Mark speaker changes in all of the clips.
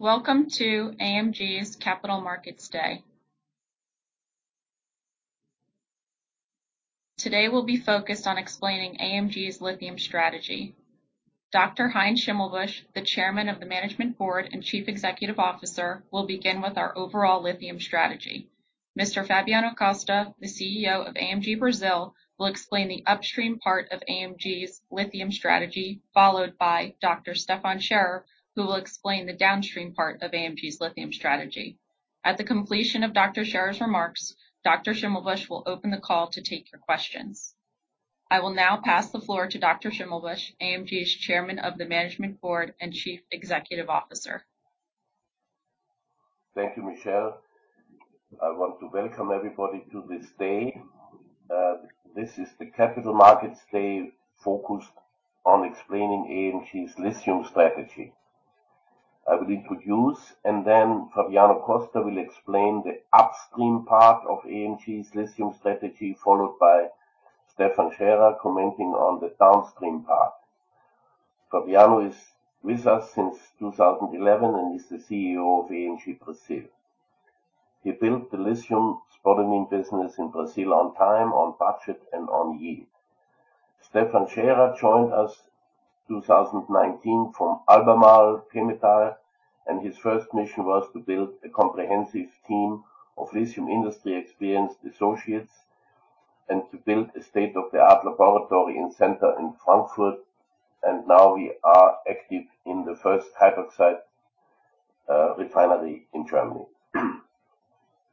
Speaker 1: Welcome to AMG's Capital Markets Day. Today, we'll be focused on explaining AMG's lithium strategy. Dr. Heinz Schimmelbusch, the Chairman of the Management Board and Chief Executive Officer, will begin with our overall lithium strategy. Mr. Fabiano Costa, the CEO of AMG Brazil, will explain the upstream part of AMG's lithium strategy, followed by Dr. Stefan Scherer, who will explain the downstream part of AMG's lithium strategy. At the completion of Dr. Scherer's remarks, Dr. Schimmelbusch will open the call to take your questions. I will now pass the floor to Dr. Schimmelbusch, AMG's Chairman of the Management Board and Chief Executive Officer.
Speaker 2: Thank you, Michele. I want to welcome everybody to this day. This is the Capital Markets Day focused on explaining AMG's lithium strategy. I will introduce, and then Fabiano Costa will explain the upstream part of AMG's lithium strategy, followed by Stefan Scherer commenting on the downstream part. Fabiano is with us since 2011, and he's the CEO of AMG Brazil. He built the lithium spodumene business in Brazil on time, on budget, and on yield. Stefan Scherer joined us 2019 from Albemarle, and his first mission was to build a comprehensive team of lithium industry-experienced associates and to build a state-of-the-art laboratory and center in Frankfurt. Now we are active in the first hydroxide refinery in Germany.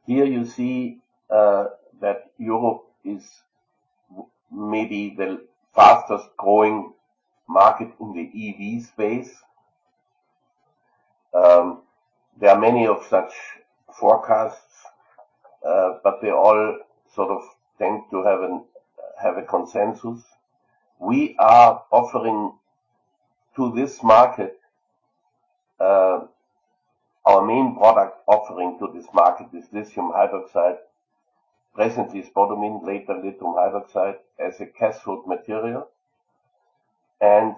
Speaker 2: Here you see that Europe is maybe the fastest-growing market in the EV space. There are many of such forecasts, but they all sort of tend to have a consensus. We are offering to this market. Our main product offering to this market is lithium hydroxide. Presently, spodumene, later lithium hydroxide as a cathode material, and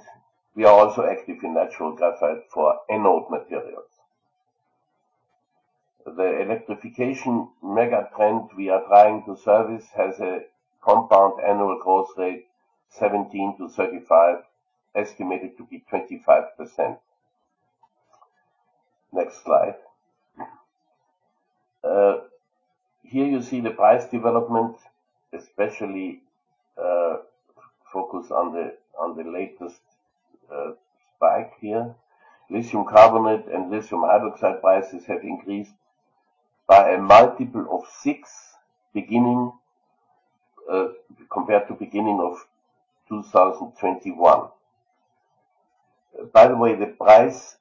Speaker 2: we are also active in natural graphite for anode materials. The electrification mega-trend we are trying to service has a compound annual growth rate 17-35, estimated to be 25%. Next slide. Here you see the price development, especially focus on the latest spike here. Lithium carbonate and lithium hydroxide prices have increased by a multiple of six beginning compared to beginning of 2021. By the way, the price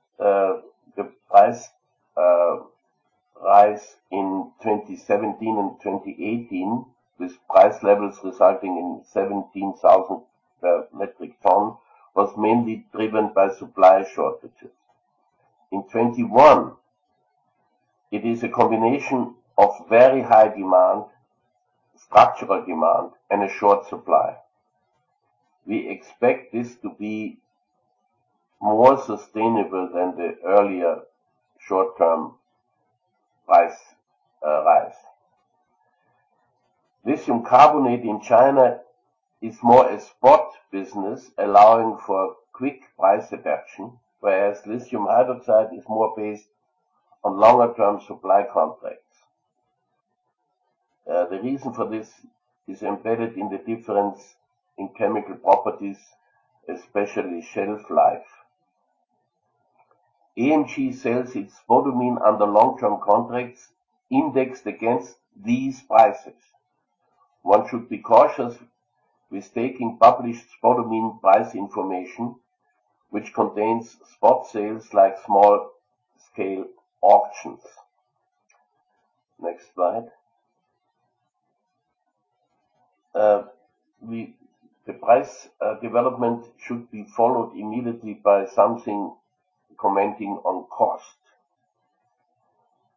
Speaker 2: rise in 2017 and 2018, with price levels resulting in 17,000 metric ton, was mainly driven by supply shortages. In 2021, it is a combination of very high demand, structural demand, and a short supply. We expect this to be more sustainable than the earlier short-term price rise. Lithium carbonate in China is more a spot business, allowing for quick price adaption, whereas lithium hydroxide is more based on longer-term supply contracts. The reason for this is embedded in the difference in chemical properties, especially shelf life. AMG sells its spodumene under long-term contracts indexed against these prices. One should be cautious with taking published spodumene price information, which contains spot sales like small-scale auctions. Next slide. The price development should be followed immediately by something commenting on cost.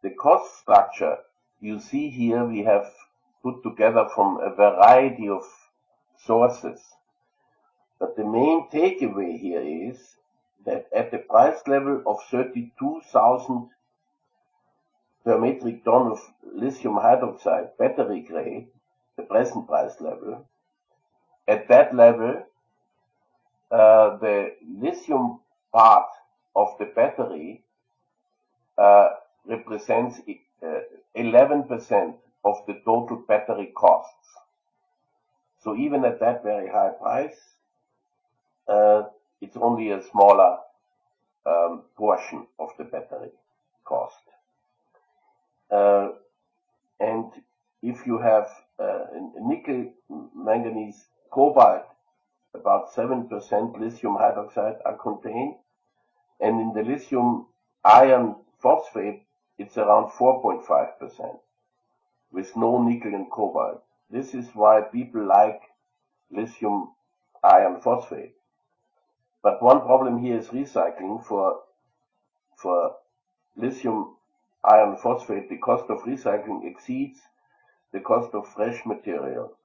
Speaker 2: The cost structure you see here, we have put together from a variety of sources. The main takeaway here is that at the price level of 32,000 per metric ton of lithium hydroxide battery grade, the present price level, at that level, the lithium part of the battery represents 11% of the total battery costs. Even at that very high price, it's only a smaller portion of the battery cost. If you have a nickel manganese cobalt, about 7% lithium hydroxide are contained, and in the lithium iron phosphate, it's around 4.5% with no nickel and cobalt. This is why people like lithium iron phosphate. One problem here is recycling. For lithium iron phosphate, the cost of recycling exceeds the cost of fresh material.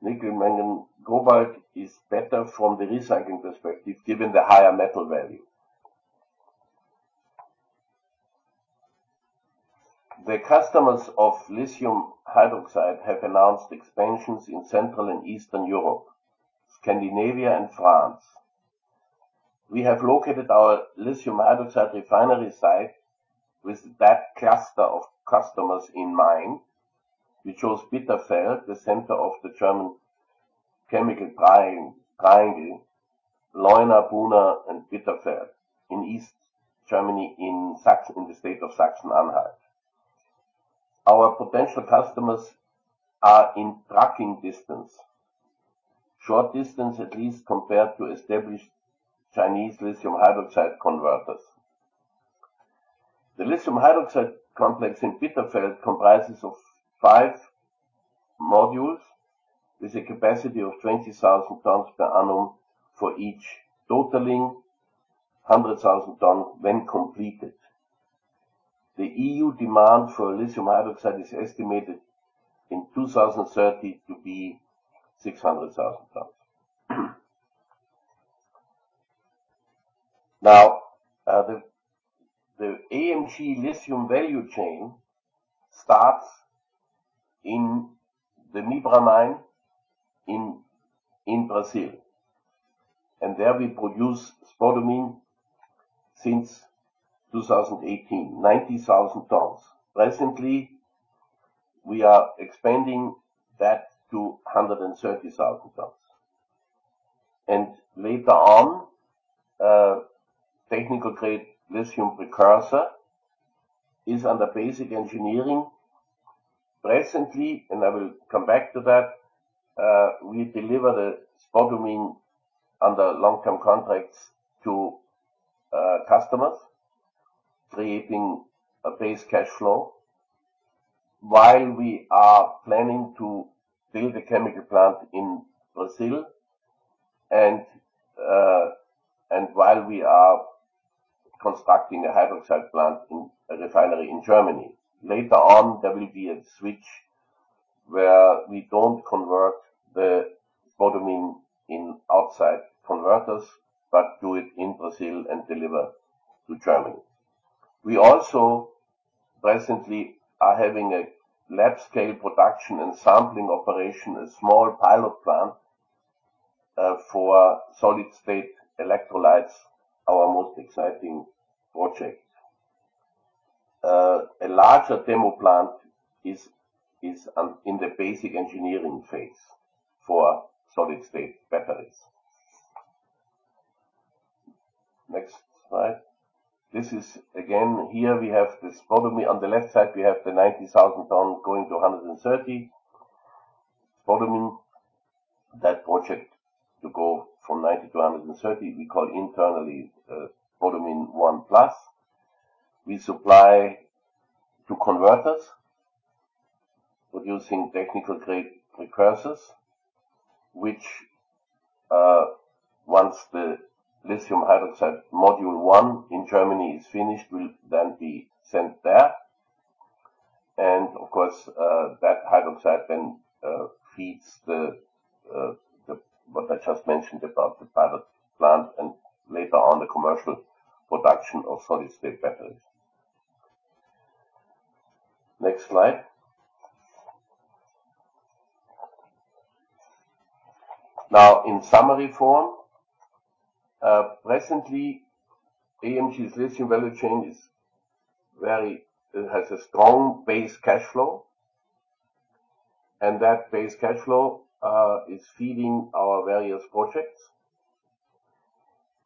Speaker 2: Nickel, manganese, cobalt is better from the recycling perspective given the higher metal value. The customers of lithium hydroxide have announced expansions in Central and Eastern Europe, Scandinavia, and France. We have located our lithium hydroxide refinery site with that cluster of customers in mind. We chose Bitterfeld, the center of the German chemical triangle, Leuna, Buna, and Bitterfeld in East Germany, in the state of Saxony-Anhalt. Our potential customers are in trucking distance, short distance at least compared to established Chinese lithium hydroxide converters. The lithium hydroxide complex in Bitterfeld comprises of five modules with a capacity of 20,000 tons per annum for each, totaling 100,000 tons when completed. The EU demand for lithium hydroxide is estimated in 2030 to be 600,000 tons. The AMG lithium value chain starts in the Mibra mine in Brazil, and there we produce spodumene since 2018, 90,000 tons. Presently, we are expanding that to 130,000 tons. Later on, technical grade lithium precursor is under basic engineering. Presently, I will come back to that, we deliver the spodumene under long-term contracts to customers, creating a base cash flow while we are planning to build a chemical plant in Brazil and while we are constructing a hydroxide plant in a refinery in Germany. Later on, there will be a switch where we don't convert the spodumene in outside converters, but do it in Brazil and deliver to Germany. We also presently are having a lab scale production and sampling operation, a small pilot plant for solid-state electrolytes, our most exciting project. A larger demo plant is in the basic engineering phase for solid-state batteries. Next slide. This is again, here we have the spodumene. On the left side, we have the 90,000 ton going to 130 spodumene. That project to go from 90 to 130, we call internally Spodumene One Plus. We supply to converters producing technical grade precursors, which, once the lithium hydroxide module one in Germany is finished, will then be sent there. Of course, that hydroxide then feeds what I just mentioned about the pilot plant and later on the commercial production of solid-state batteries. Next slide. Now, in summary form, presently AMG's lithium value chain has a strong base cash flow, and that base cash flow is feeding our various projects.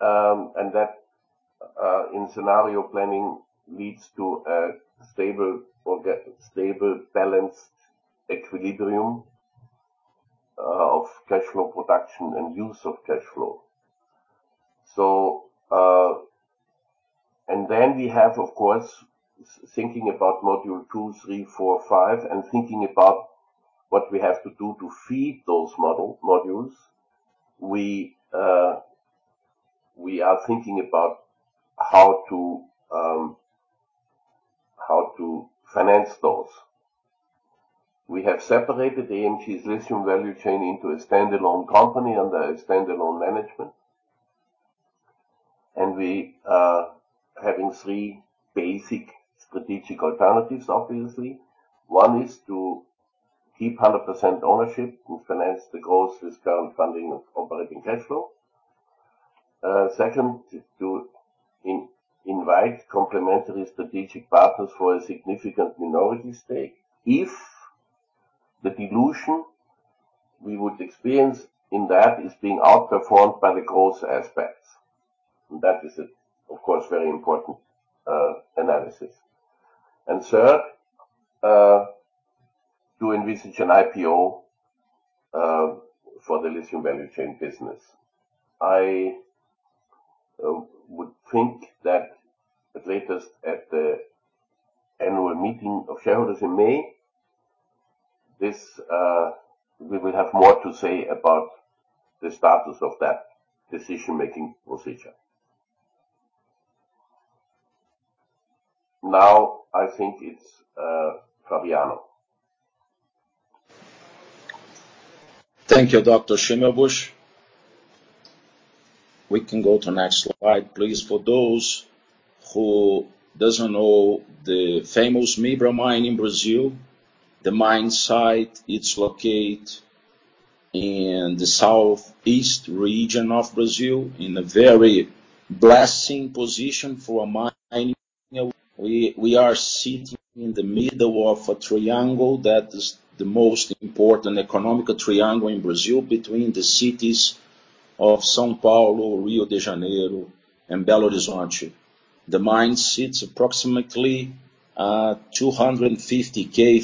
Speaker 2: That in scenario planning leads to a stable balanced equilibrium of cash flow production and use of cash flow. We have, of course, thinking about module two, three, four, five and thinking about what we have to do to feed those modules. We are thinking about how to finance those. We have separated AMG's lithium value chain into a standalone company under a standalone management. We are having three basic strategic alternatives, obviously. One is to keep 100% ownership and finance the growth with current funding of operating cash flow. Second, to invite complementary strategic partners for a significant minority stake if the dilution we would experience in that is being outperformed by the growth aspects. That is, of course, very important analysis. Third, to envisage an IPO for the lithium value chain business. I would think that at latest at the annual meeting of shareholders in May, we will have more to say about the status of that decision-making procedure. Now I think it's Fabiano.
Speaker 3: Thank you, Dr. Schimmelbusch. We can go to next slide, please. For those who doesn't know the famous Mibra mine in Brazil, the mine site, it's located in the southeast region of Brazil in a very blessed position for mining. We are sitting in the middle of a triangle that is the most important economic triangle in Brazil between the cities of São Paulo, Rio de Janeiro, and Belo Horizonte. The mine sits approximately 250 km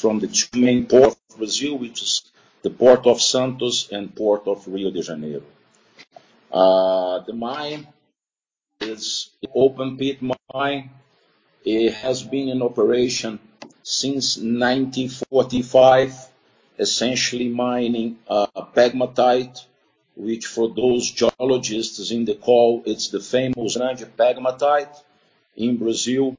Speaker 3: from the two main ports of Brazil, which is the Port of Santos and Port of Rio de Janeiro. The mine is open pit mine. It has been in operation since 1945, essentially mining a pegmatite, which for those geologists in the call, it's the famous pegmatite in Brazil.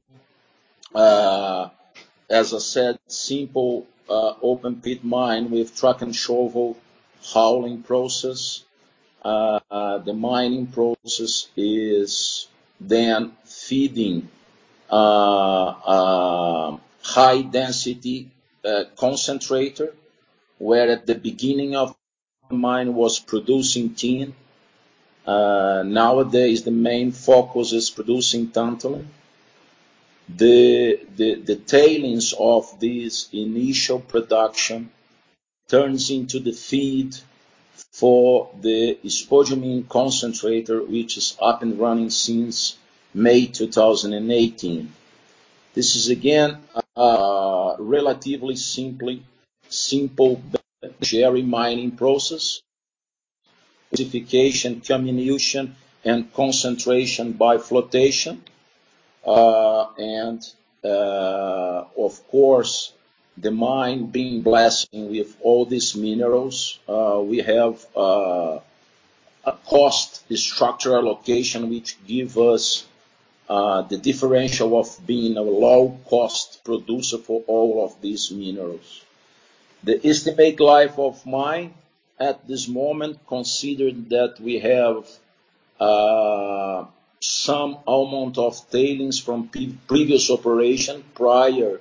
Speaker 3: As I said, simple open pit mine with truck and shovel hauling process. The mining process is then feeding high density concentrator, where at the beginning of the mine was producing tin. Nowadays, the main focus is producing tantalum. The tailings of this initial production turns into the feed for the spodumene concentrator, which is up and running since May 2018. This is again a relatively simple crushing mining process. Crushing, comminution, and concentration by flotation. Of course, the mine being blessed with all these minerals, we have a cost structural location which give us the differential of being a low-cost producer for all of these minerals. The estimated life of mine at this moment, considering that we have some amount of tailings from previous operation prior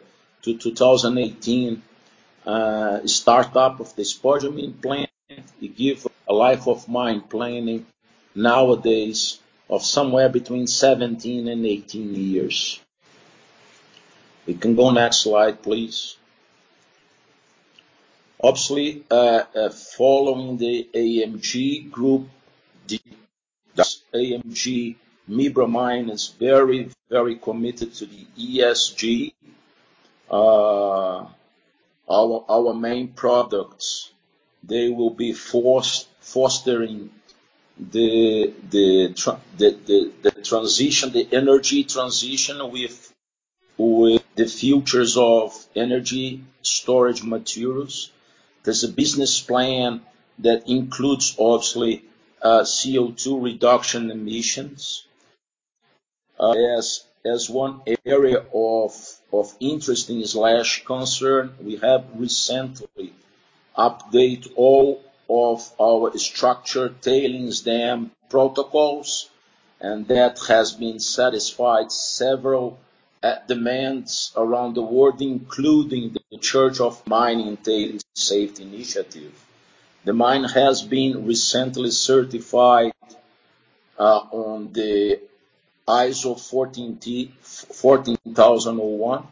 Speaker 3: to 2018 startup of the spodumene plant, it gives a life of mine planning nowadays of somewhere between 17-18 years. We can go next slide, please. Obviously, following the AMG group, the AMG Mibra mine is very committed to the ESG. Our main products, they will be fostering the energy transition with the futures of energy storage materials. There's a business plan that includes obviously CO2 reduction emissions. As one area of interest and/or concern, we have recently updated all of our structured tailings dam protocols, and that has been satisfied several demands around the world, including the Investor Mining and Tailings Safety Initiative. The mine has been recently certified on the ISO 14001.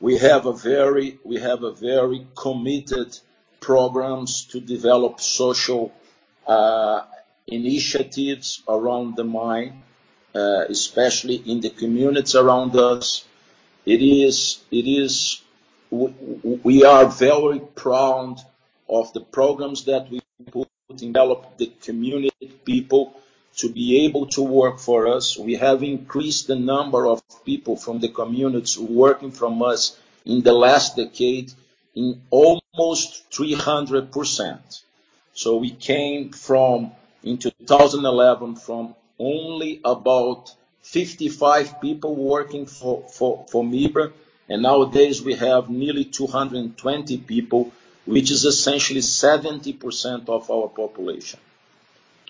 Speaker 3: We have a very committed programs to develop social initiatives around the mine, especially in the communities around us. We are very proud of the programs that we put to develop the community people to be able to work for us. We have increased the number of people from the communities working from us in the last decade in almost 300%. We came from in 2011 from only about 55 people working for Mibra, and nowadays we have nearly 220 people, which is essentially 70% of our population,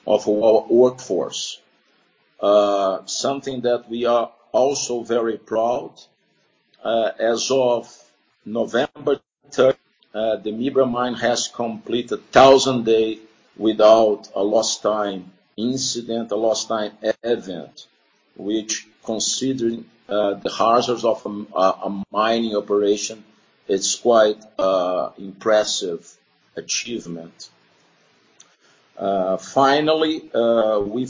Speaker 3: of our workforce. Something that we are also very proud, as of November 3, the Mibra mine has completed 1,000 days without a lost time incident, a lost time event, which, considering the hazards of a mining operation, it's quite impressive achievement. Finally, we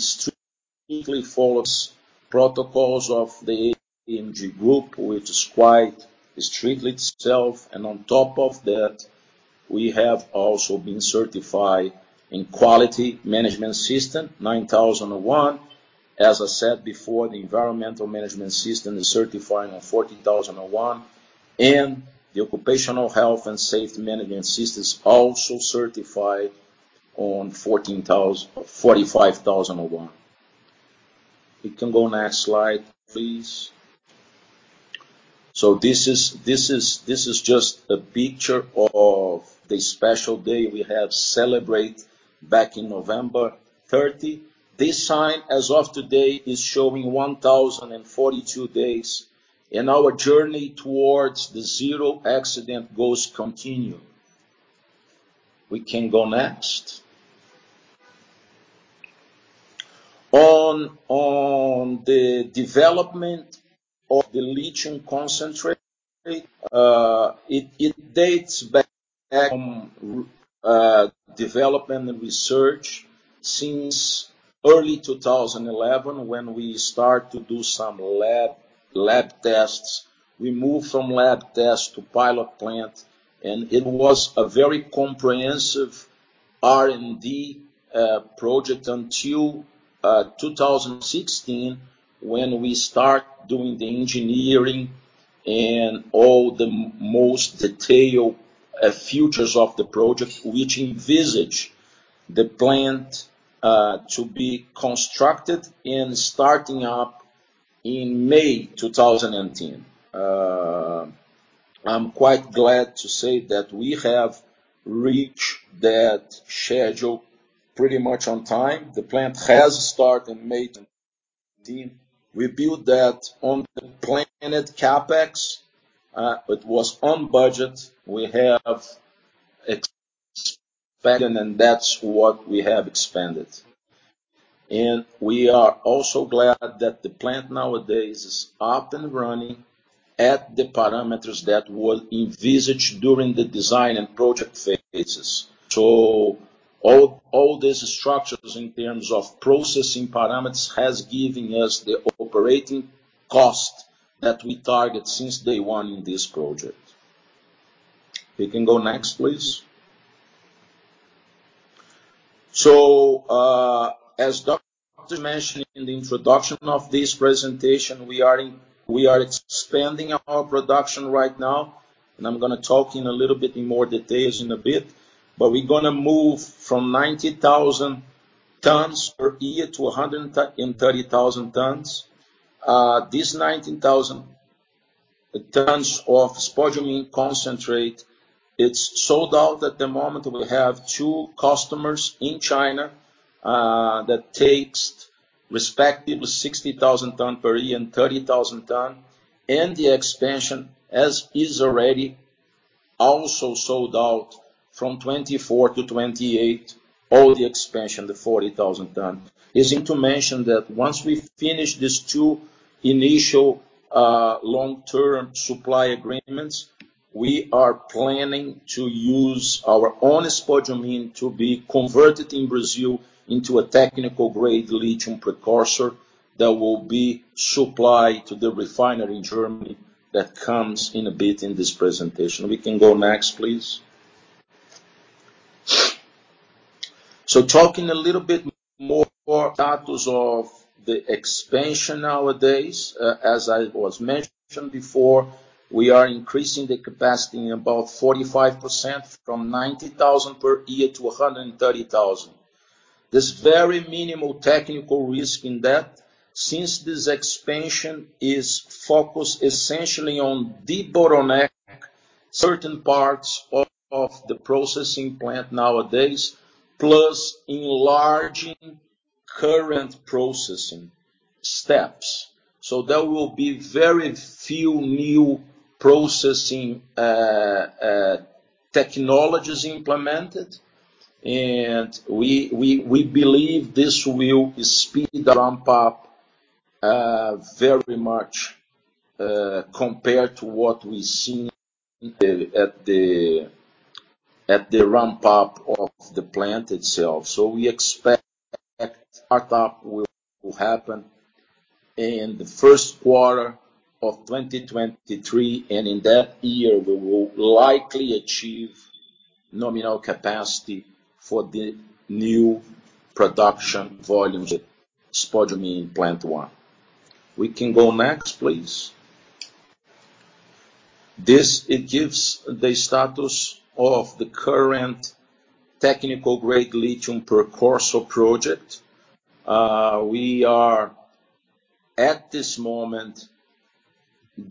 Speaker 3: strictly follow protocols of the AMG Group, which is quite strict itself. On top of that, we have also been certified in quality management system ISO 9001. As I said before, the environmental management system is certified on ISO 14001, and the occupational health and safety management system is also certified on ISO 45001. We can go next slide, please. This is just a picture of the special day we celebrated back in November 30. This sign, as of today, is showing 1,042 days, and our journey towards the zero accident goals continue. We can go next. On the development of the lithium concentrate, it dates back from development and research since early 2011 when we start to do some lab tests. We moved from lab test to pilot plant, and it was a very comprehensive R&D project until 2016 when we start doing the engineering and all the most detailed features of the project, which envisage the plant to be constructed and starting up in May 2019. I'm quite glad to say that we have reached that schedule pretty much on time. The plant has started in May 2019. We built that on the planned CapEx, but it was on budget. We have expanded. We are also glad that the plant nowadays is up and running at the parameters that were envisaged during the design and project phases. All these structures in terms of processing parameters has given us the operating cost that we target since day one in this project. We can go next, please. As Dr. mentioned in the introduction of this presentation, we are expanding our production right now, and I'm gonna talk in a little bit in more details in a bit. We're gonna move from 90,000 tons per year to 130,000 tons. This 19,000 tons of spodumene concentrate, it's sold out at the moment. We have two customers in China that takes respective 60,000 tons per year and 30,000 tons. The expansion, as is already also sold out from 2024 to 2028, all the expansion, the 40,000 tons. Is it to mention that once we finish these two initial long-term supply agreements, we are planning to use our own spodumene to be converted in Brazil into a technical-grade lithium precursor that will be supplied to the refinery in Germany that comes in a bit in this presentation. We can go next, please. Talking a little bit more status of the expansion nowadays, as I mentioned before, we are increasing the capacity in about 45% from 90,000 per year to 130,000. There's very minimal technical risk in that since this expansion is focused essentially on debottlenecking certain parts of the processing plant nowadays, plus enlarging current processing steps. There will be very few new processing technologies implemented, and we believe this will speed the ramp up very much compared to what we've seen at the ramp up of the plant itself. We expect startup will happen in the first quarter of 2023, and in that year we will likely achieve nominal capacity for the new production volumes of spodumene in plant one. We can go next, please. It gives the status of the current technical-grade lithium precursor project. We are at this moment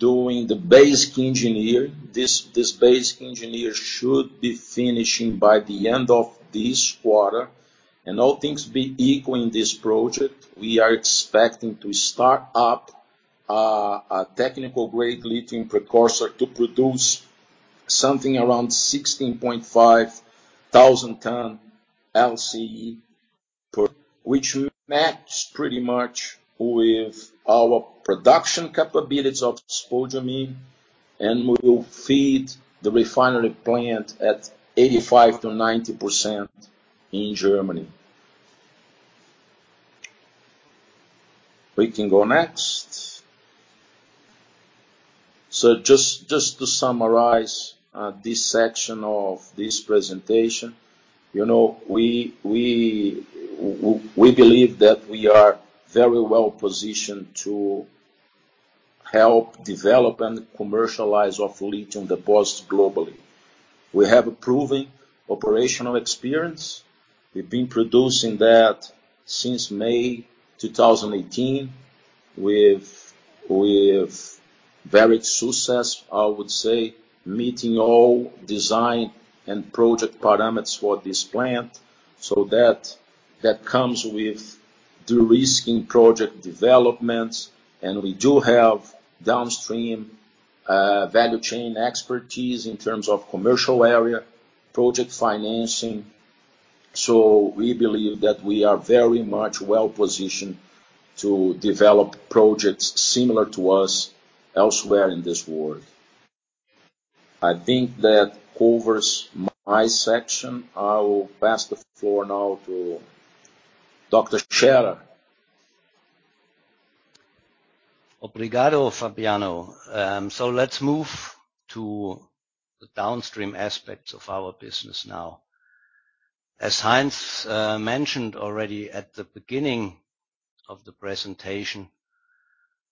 Speaker 3: doing the basic engineering. This basic engineering should be finishing by the end of this quarter. All things being equal in this project, we are expecting to start up a technical-grade lithium precursor to produce something around 16,500 tons LCE per, which will match pretty much with our production capabilities of spodumene, and will feed the refinery plant at 85%-90% in Germany. We can go next. Just to summarize this section of this presentation. You know, we believe that we are very well-positioned to help develop and commercialize of lithium deposits globally. We have a proven operational experience. We've been producing that since May 2018 with varied success, I would say, meeting all design and project parameters for this plant. That comes with de-risking project developments, and we do have downstream value chain expertise in terms of commercial area, project financing. We believe that we are very much well-positioned to develop projects similar to us elsewhere in this world. I think that covers my section. I will pass the floor now to Dr. Scherer.
Speaker 4: Obrigado, Fabiano. Let's move to the downstream aspects of our business now. As Heinz mentioned already at the beginning of the presentation,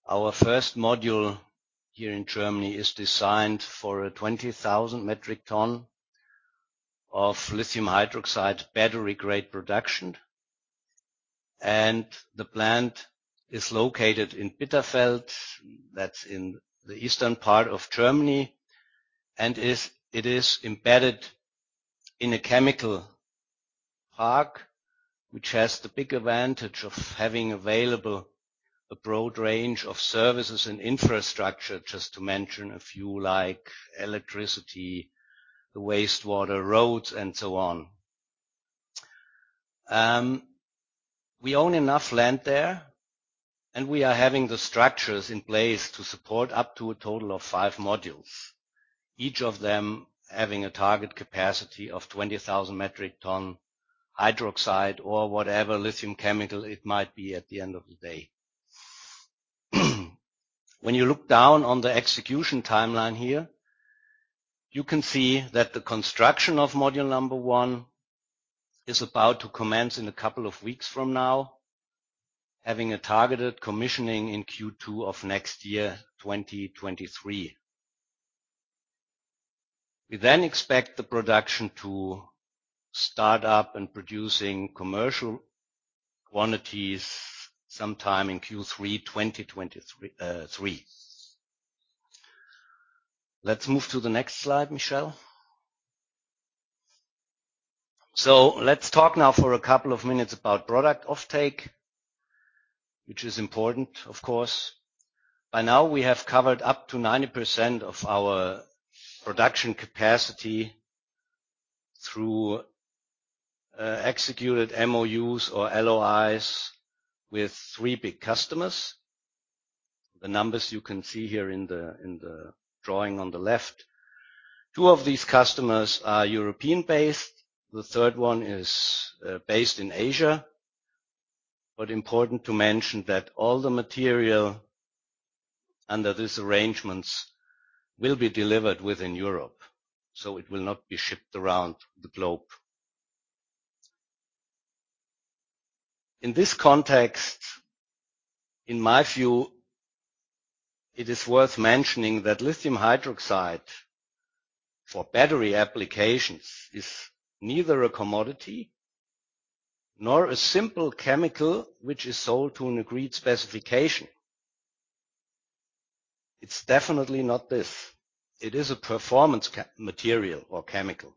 Speaker 4: our first module here in Germany is designed for a 20,000 metric ton of lithium hydroxide battery-grade production. The plant is located in Bitterfeld, that's in the eastern part of Germany. It is embedded in a chemical park, which has the big advantage of having available a broad range of services and infrastructure, just to mention a few, like electricity, the wastewater, roads and so on. We own enough land there, and we are having the structures in place to support up to a total of five modules, each of them having a target capacity of 20,000 metric ton hydroxide or whatever lithium chemical it might be at the end of the day. When you look down on the execution timeline here, you can see that the construction of module number one is about to commence in a couple of weeks from now, having a targeted commissioning in Q2 of next year, 2023. We then expect the production to start up and producing commercial quantities sometime in Q3 2023. Let's move to the next slide, Michele. Let's talk now for a couple of minutes about product offtake, which is important, of course. By now we have covered up to 90% of our production capacity through executed MOUs or LOIs with three big customers. The numbers you can see here in the drawing on the left. Two of these customers are European-based. The third one is based in Asia. Important to mention that all the material under these arrangements will be delivered within Europe, so it will not be shipped around the globe. In this context, in my view, it is worth mentioning that lithium hydroxide for battery applications is neither a commodity nor a simple chemical which is sold to an agreed specification. It's definitely not this. It is a performance material or chemical.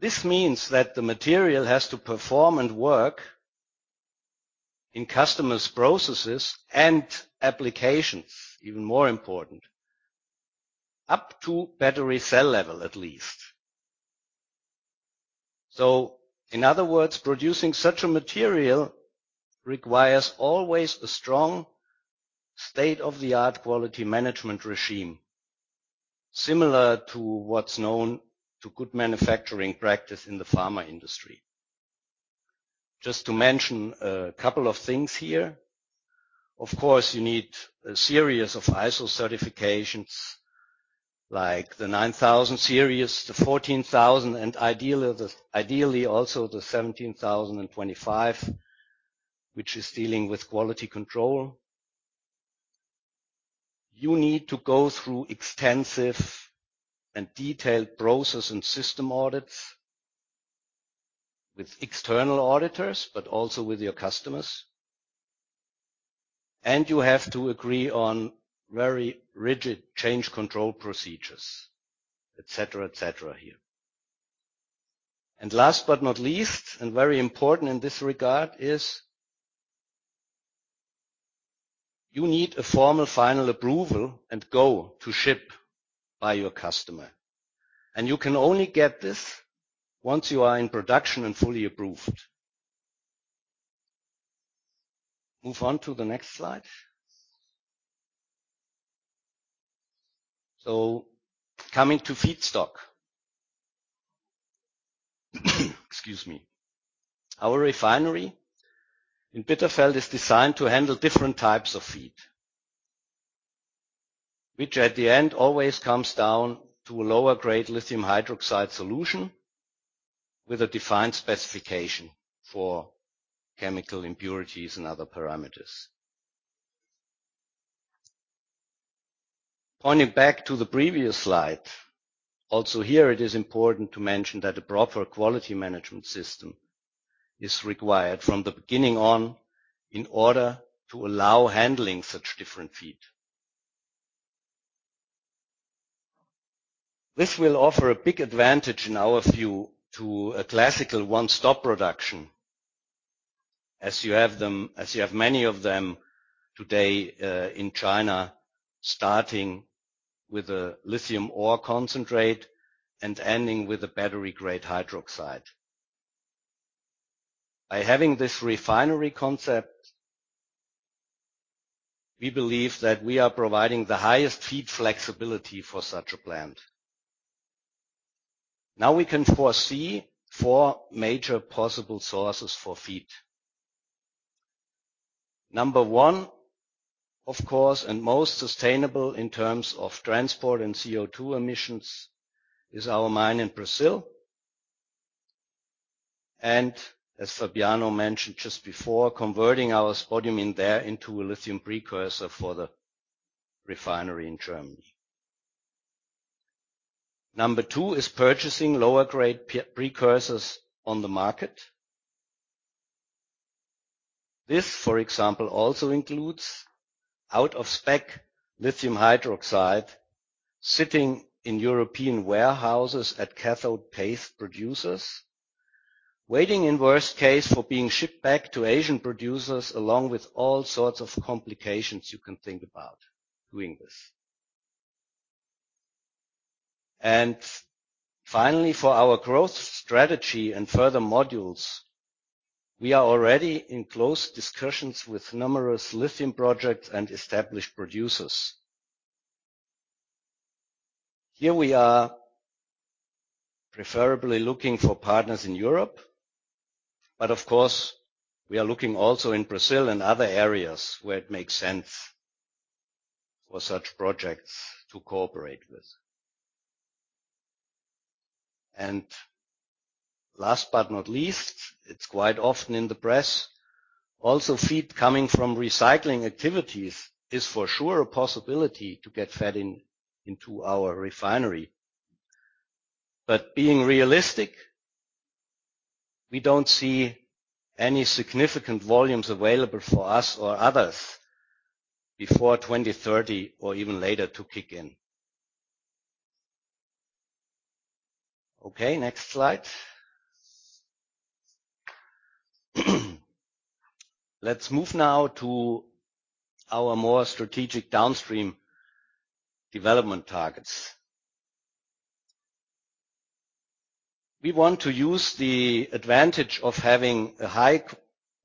Speaker 4: This means that the material has to perform and work in customers' processes and applications, even more important, up to battery cell level, at least. In other words, producing such a material requires always a strong state-of-the-art quality management regime, similar to what's known as good manufacturing practice in the pharma industry. Just to mention a couple of things here. Of course, you need a series of ISO certifications like the 9000 series, the 14000, and ideally also the 17025, which is dealing with quality control. You need to go through extensive and detailed process and system audits with external auditors, but also with your customers. You have to agree on very rigid change control procedures, et cetera, et cetera here. Last but not least, and very important in this regard is you need a formal final approval and go to ship by your customer. You can only get this once you are in production and fully approved. Move on to the next slide. Coming to feedstock. Excuse me. Our refinery in Bitterfeld is designed to handle different types of feed, which at the end always comes down to a lower-grade lithium hydroxide solution with a defined specification for chemical impurities and other parameters. Pointing back to the previous slide, also here it is important to mention that a proper quality management system is required from the beginning on in order to allow handling such different feed. This will offer a big advantage, in our view, to a classical one-stop production as you have many of them today, in China, starting with a lithium ore concentrate and ending with a battery-grade hydroxide. By having this refinery concept, we believe that we are providing the highest feed flexibility for such a plant. Now we can foresee four major possible sources for feed. Number one, of course, and most sustainable in terms of transport and CO2 emissions is our mine in Brazil, as Fabiano mentioned just before, converting our spodumene there into a lithium precursor for the refinery in Germany. Number two is purchasing lower-grade pre-precursors on the market. This, for example, also includes out-of-spec lithium hydroxide sitting in European warehouses at cathode paste producers, waiting in worst case for being shipped back to Asian producers, along with all sorts of complications you can think about doing this. Finally, for our growth strategy and further modules, we are already in close discussions with numerous lithium projects and established producers. Here we are preferably looking for partners in Europe, but of course, we are looking also in Brazil and other areas where it makes sense for such projects to cooperate with. Last but not least, it's quite often in the press also feed coming from recycling activities is for sure a possibility to get fed in, into our refinery. Being realistic, we don't see any significant volumes available for us or others before 2030 or even later to kick in. Okay, next slide. Let's move now to our more strategic downstream development targets. We want to use the advantage of having a high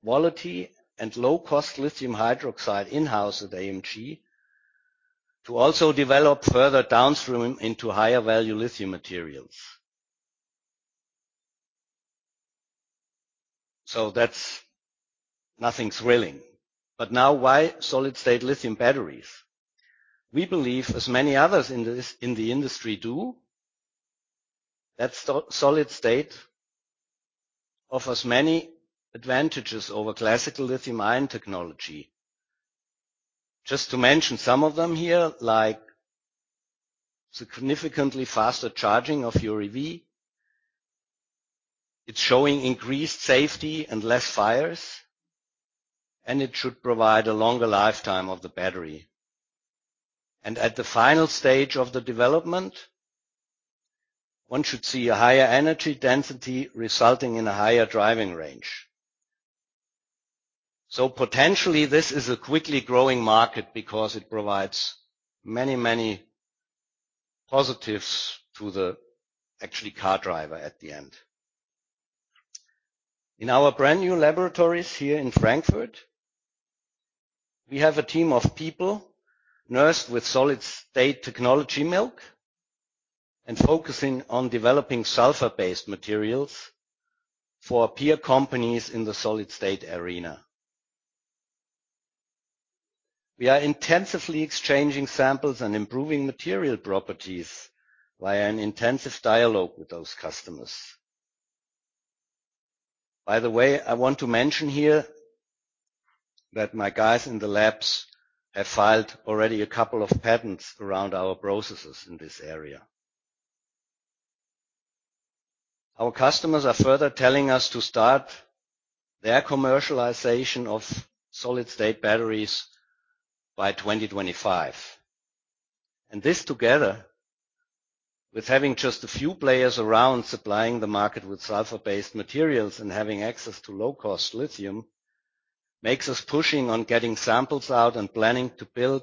Speaker 4: quality and low-cost lithium hydroxide in-house at AMG to also develop further downstream into higher-value lithium materials. That's nothing thrilling. Now why solid-state lithium batteries? We believe, as many others in this industry do, that solid state offers many advantages over classical lithium-ion technology. Just to mention some of them here, like significantly faster charging of your EV. It's showing increased safety and less fires, and it should provide a longer lifetime of the battery. At the final stage of the development, one should see a higher energy density resulting in a higher driving range. Potentially this is a quickly growing market because it provides many, many positives to the actual car driver at the end. In our brand-new laboratories here in Frankfurt, we have a team of people versed in solid-state technology and focusing on developing sulfur-based materials for peer companies in the solid-state arena. We are intensively exchanging samples and improving material properties via an intensive dialogue with those customers. By the way, I want to mention here that my guys in the labs have filed already a couple of patents around our processes in this area. Our customers are further telling us to start their commercialization of solid-state batteries by 2025. This, together with having just a few players around supplying the market with sulfur-based materials and having access to low-cost lithium, makes us pushing on getting samples out and planning to build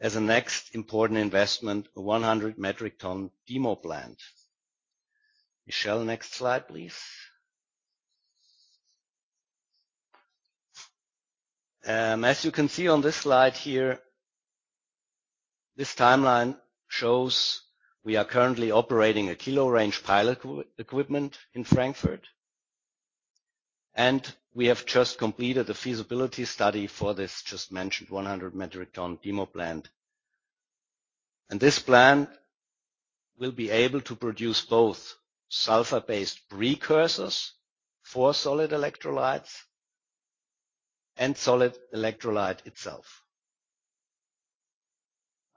Speaker 4: as a next important investment, a 100 metric ton demo plant. Michele, next slide, please. As you can see on this slide here, this timeline shows we are currently operating a kilo-range pilot equipment in Frankfurt, and we have just completed the feasibility study for this just mentioned 100 metric ton demo plant. This plant will be able to produce both sulfur-based precursors for solid electrolytes and solid electrolyte itself.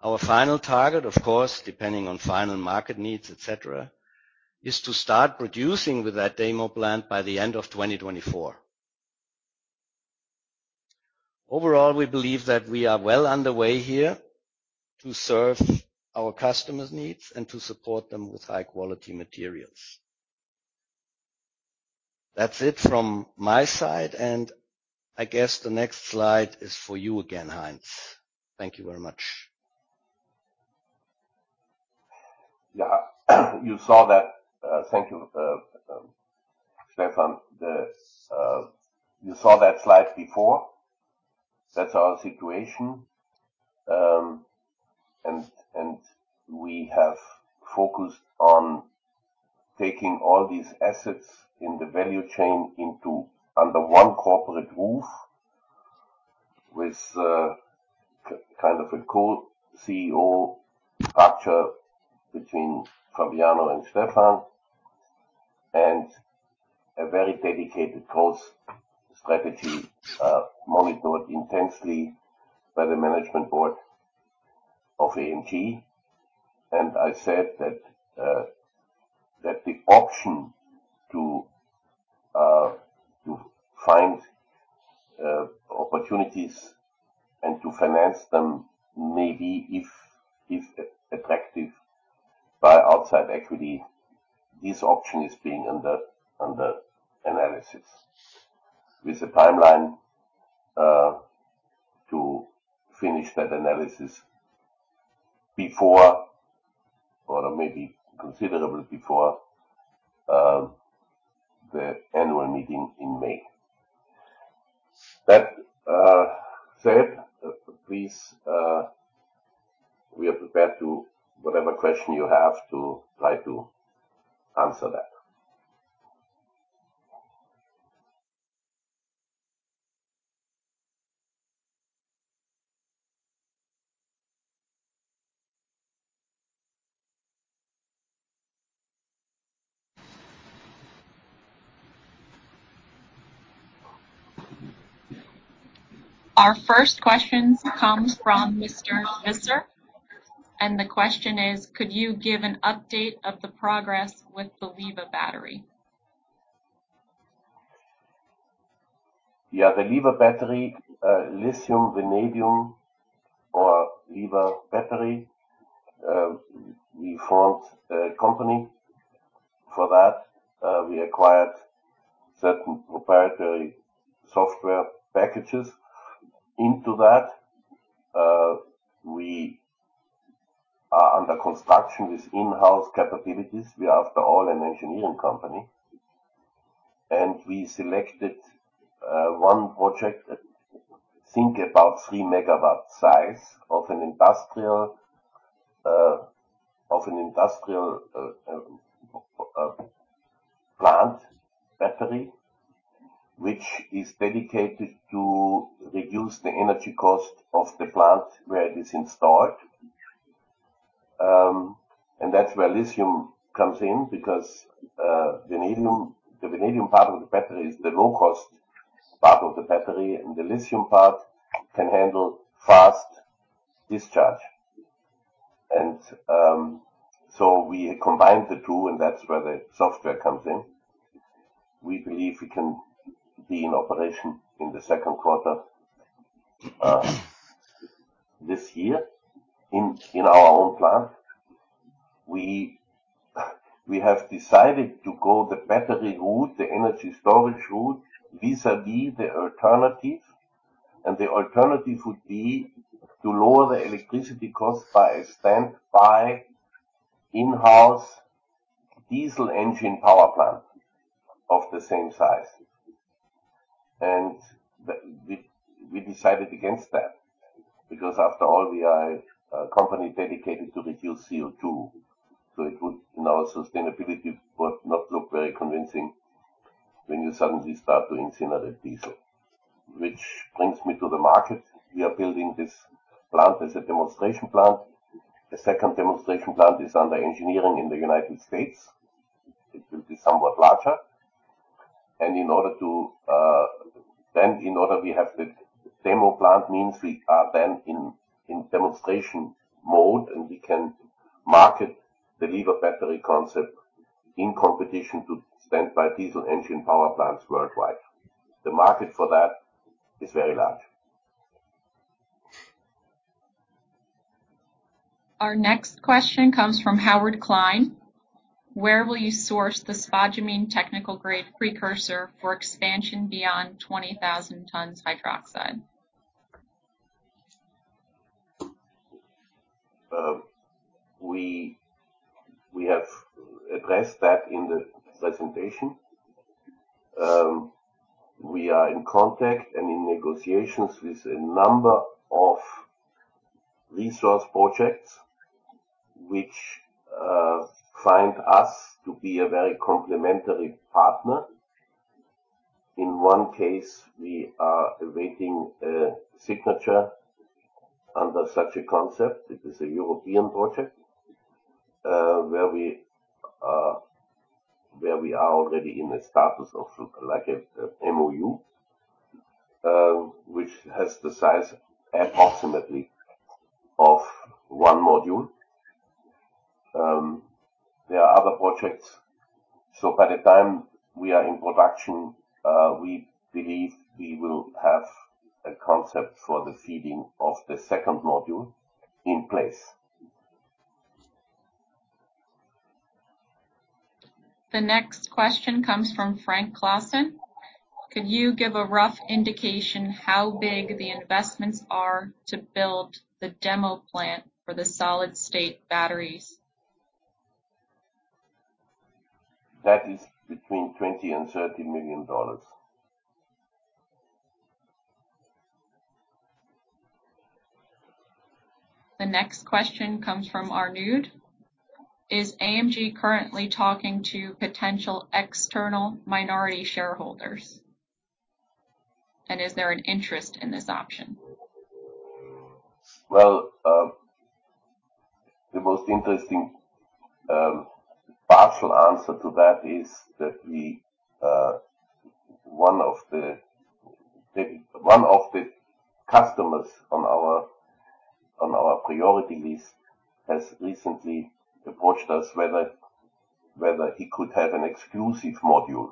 Speaker 4: Our final target, of course, depending on final market needs, et cetera, is to start producing with that demo plant by the end of 2024. Overall, we believe that we are well underway here to serve our customers' needs and to support them with high quality materials. That's it from my side, and I guess the next slide is for you again, Heinz. Thank you very much.
Speaker 2: Yeah. You saw that. Thank you, Stefan. You saw that slide before. That's our situation. We have focused on taking all these assets in the value chain under one corporate roof with kind of a co-CEO structure between Fabiano and Stephan, and a very dedicated close strategy monitored intensely by the Management Board of AMG. I said that the option to find opportunities and to finance them maybe if attractive by outside equity. This option is under analysis with a timeline to finish that analysis before or maybe considerably before the annual meeting in May. That said, please, we are prepared to try to answer whatever question you have.
Speaker 1: Our first question comes from Mr. Visser, and the question is: Could you give an update of the progress with the LIVA battery?
Speaker 2: Yeah. The LIVA battery, lithium vanadium or LIVA battery, we formed a company for that. We acquired certain proprietary software packages into that. We are under construction with in-house capabilities. We are, after all, an engineering company. We selected one project, think about 3 MW size of an industrial plant battery, which is dedicated to reduce the energy cost of the plant where it is installed. That's where lithium comes in because vanadium, the vanadium part of the battery is the low cost part of the battery, and the lithium part can handle fast discharge. We combine the two, and that's where the software comes in. We believe we can be in operation in the second quarter this year in our own plant. We have decided to go the battery route, the energy storage route vis-à-vis the alternative. The alternative would be to lower the electricity cost by a standby in-house diesel engine power plant of the same size. We decided against that because after all, we are a company dedicated to reduce CO2, so it would, in our sustainability, would not look very convincing when you suddenly start to incinerate diesel. Which brings me to the market. We are building this plant as a demonstration plant. The second demonstration plant is under engineering in the United States. It will be somewhat larger. We have the demo plant means we are then in demonstration mode, and we can market the LIVA battery concept in competition to standby diesel engine power plants worldwide. The market for that is very large.
Speaker 1: Our next question comes from Howard Klein. Where will you source the spodumene technical grade precursor for expansion beyond 20,000 tons hydroxide?
Speaker 2: We have addressed that in the presentation. We are in contact and in negotiations with a number of resource projects which find us to be a very complementary partner. In one case, we are awaiting a signature under such a concept. It is a European project where we are already in a status of like a MOU which has the size approximately of one module. There are other projects. By the time we are in production, we believe we will have a concept for the feeding of the second module in place.
Speaker 1: The next question comes from Frank Claassen. Could you give a rough indication how big the investments are to build the demo plant for the solid state batteries?
Speaker 2: That is between $20 million and $30 million.
Speaker 1: The next question comes from Arnoud. Is AMG currently talking to potential external minority shareholders? Is there an interest in this option?
Speaker 2: The most interesting partial answer to that is that one of the customers on our priority list has recently approached us whether he could have an exclusive module.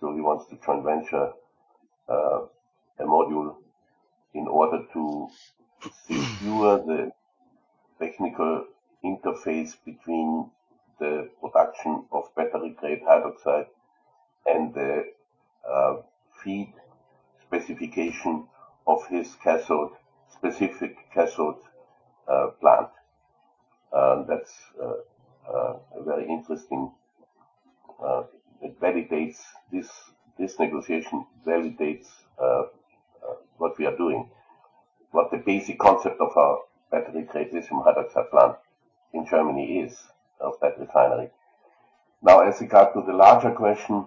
Speaker 2: He wants to joint venture a module in order to secure the technical interface between the production of battery-grade lithium hydroxide and the feed specification of his specific cathode plant. That's a very interesting. It validates this negotiation, validates what we are doing, the basic concept of our battery-grade lithium hydroxide plant in Germany is a battery refinery. Now, as regards the larger question,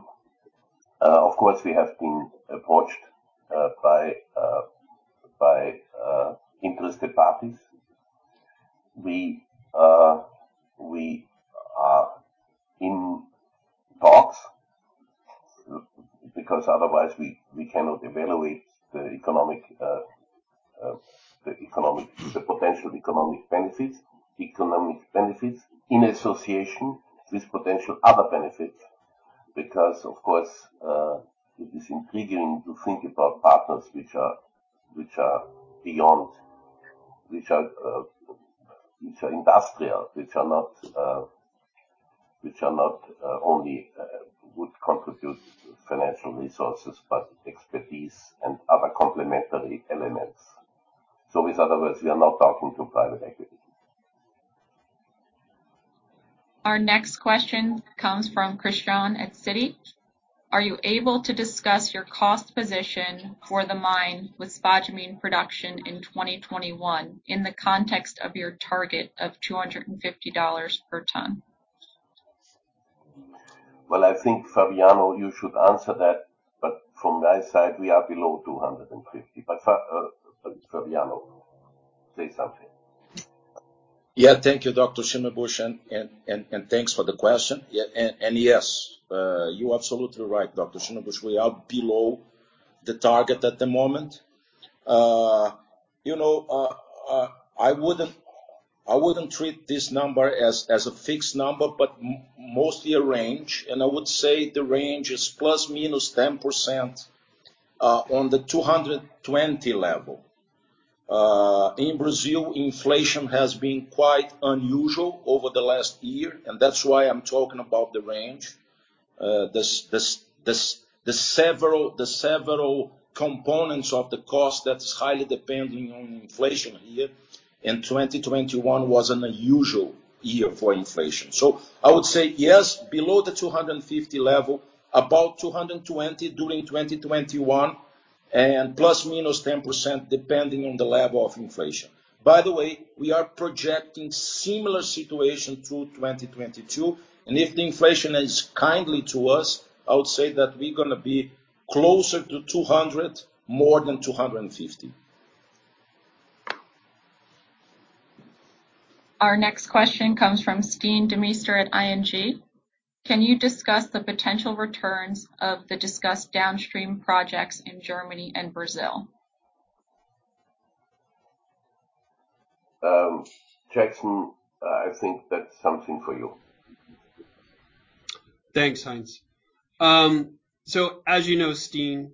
Speaker 2: of course, we have been approached by interested parties. We are in talks because otherwise we cannot evaluate the potential economic benefits in association with potential other benefits. Because of course, it is intriguing to think about partners which are beyond, which are industrial, which are not only would contribute financial resources, but expertise and other complementary elements. In other words, we are not talking to private equity.
Speaker 1: Our next question comes from Christian Faitz at Citi. Are you able to discuss your cost position for the mine with spodumene production in 2021 in the context of your target of $250 per ton?
Speaker 2: Well, I think, Fabiano, you should answer that, but from my side, we are below 250. Fabiano, say something.
Speaker 3: Yeah. Thank you, Dr. Schimmelbusch. Thanks for the question. Yeah. Yes, you're absolutely right, Dr. Schimmelbusch. We are below the target at the moment. You know, I wouldn't treat this number as a fixed number, but mostly a range, and I would say the range is ±10% on the 220 level. In Brazil, inflation has been quite unusual over the last year, and that's why I'm talking about the range. The several components of the cost that is highly dependent on inflation a year, and 2021 was an unusual year for inflation. I would say yes, below the 250 level, about 220 during 2021, and ±10%, depending on the level of inflation. By the way, we are projecting similar situation through 2022, and if the inflation is kind to us, I would say that we're gonna be closer to 200, more than 250.
Speaker 1: Our next question comes from Stijn Demeester at ING. Can you discuss the potential returns of the discussed downstream projects in Germany and Brazil?
Speaker 2: Jackson, I think that's something for you.
Speaker 5: Thanks, Heinz. So as you know, Stijn,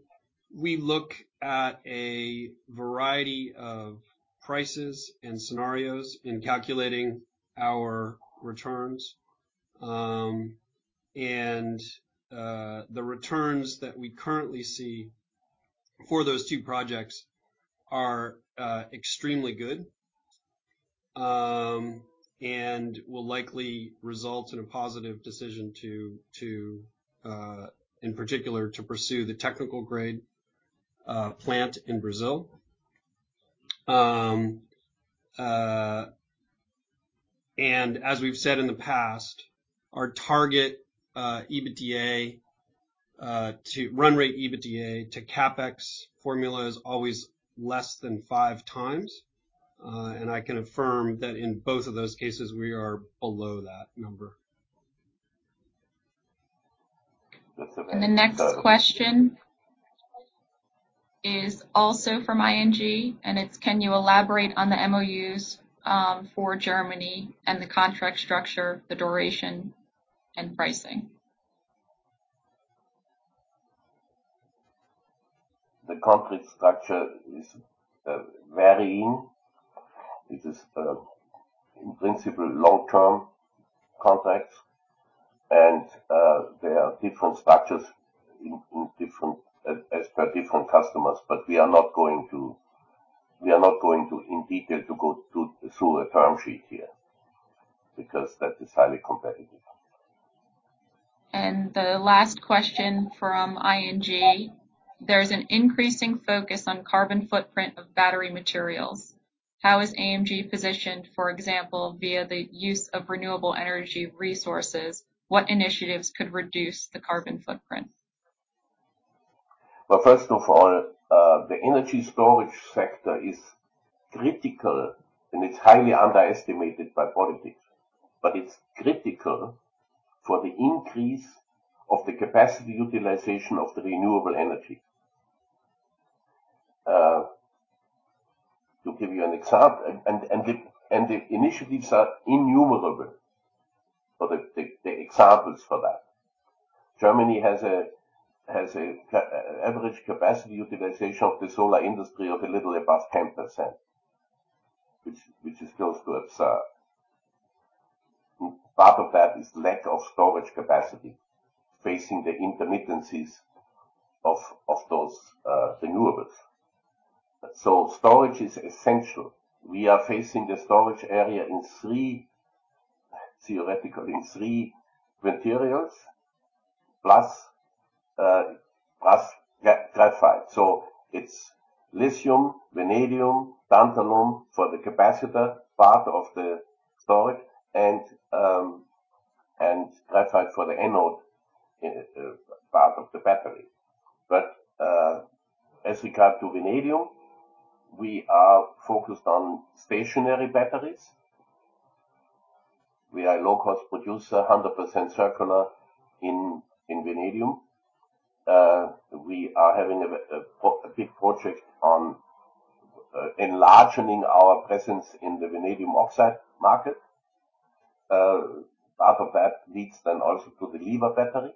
Speaker 5: we look at a variety of prices and scenarios in calculating our returns. The returns that we currently see for those two projects are extremely good, and will likely result in a positive decision, in particular, to pursue the technical grade plant in Brazil. As we've said in the past, our target run rate EBITDA to CapEx formula is always less than five times. I can affirm that in both of those cases we are below that number.
Speaker 1: The next question is also from ING, and it's, can you elaborate on the MOUs for Germany and the contract structure, the duration and pricing?
Speaker 2: The contract structure is varying. It is in principle long-term contracts. There are different structures as per different customers. We are not going to in detail to go through a term sheet here because that is highly competitive.
Speaker 1: The last question from ING. There's an increasing focus on carbon footprint of battery materials. How is AMG positioned, for example, via the use of renewable energy resources? What initiatives could reduce the carbon footprint?
Speaker 2: Well, first of all, the energy storage sector is critical, and it's highly underestimated by politics. It's critical for the increase of the capacity utilization of the renewable energy. To give you an example, the initiatives are innumerable for the examples for that. Germany has average capacity utilization of the solar industry of a little above 10%, which is close to absurd. Part of that is lack of storage capacity facing the intermittencies of those renewables. Storage is essential. We are facing the storage area in three materials, theoretically, plus graphite. It's lithium, vanadium, tantalum for the capacitor part of the storage and graphite for the anode part of the battery. As regard to vanadium, we are focused on stationary batteries. We are a low-cost producer, 100% circular in vanadium. We are having a big project on enlarging our presence in the vanadium oxide market. Part of that leads then also to the LIVA battery.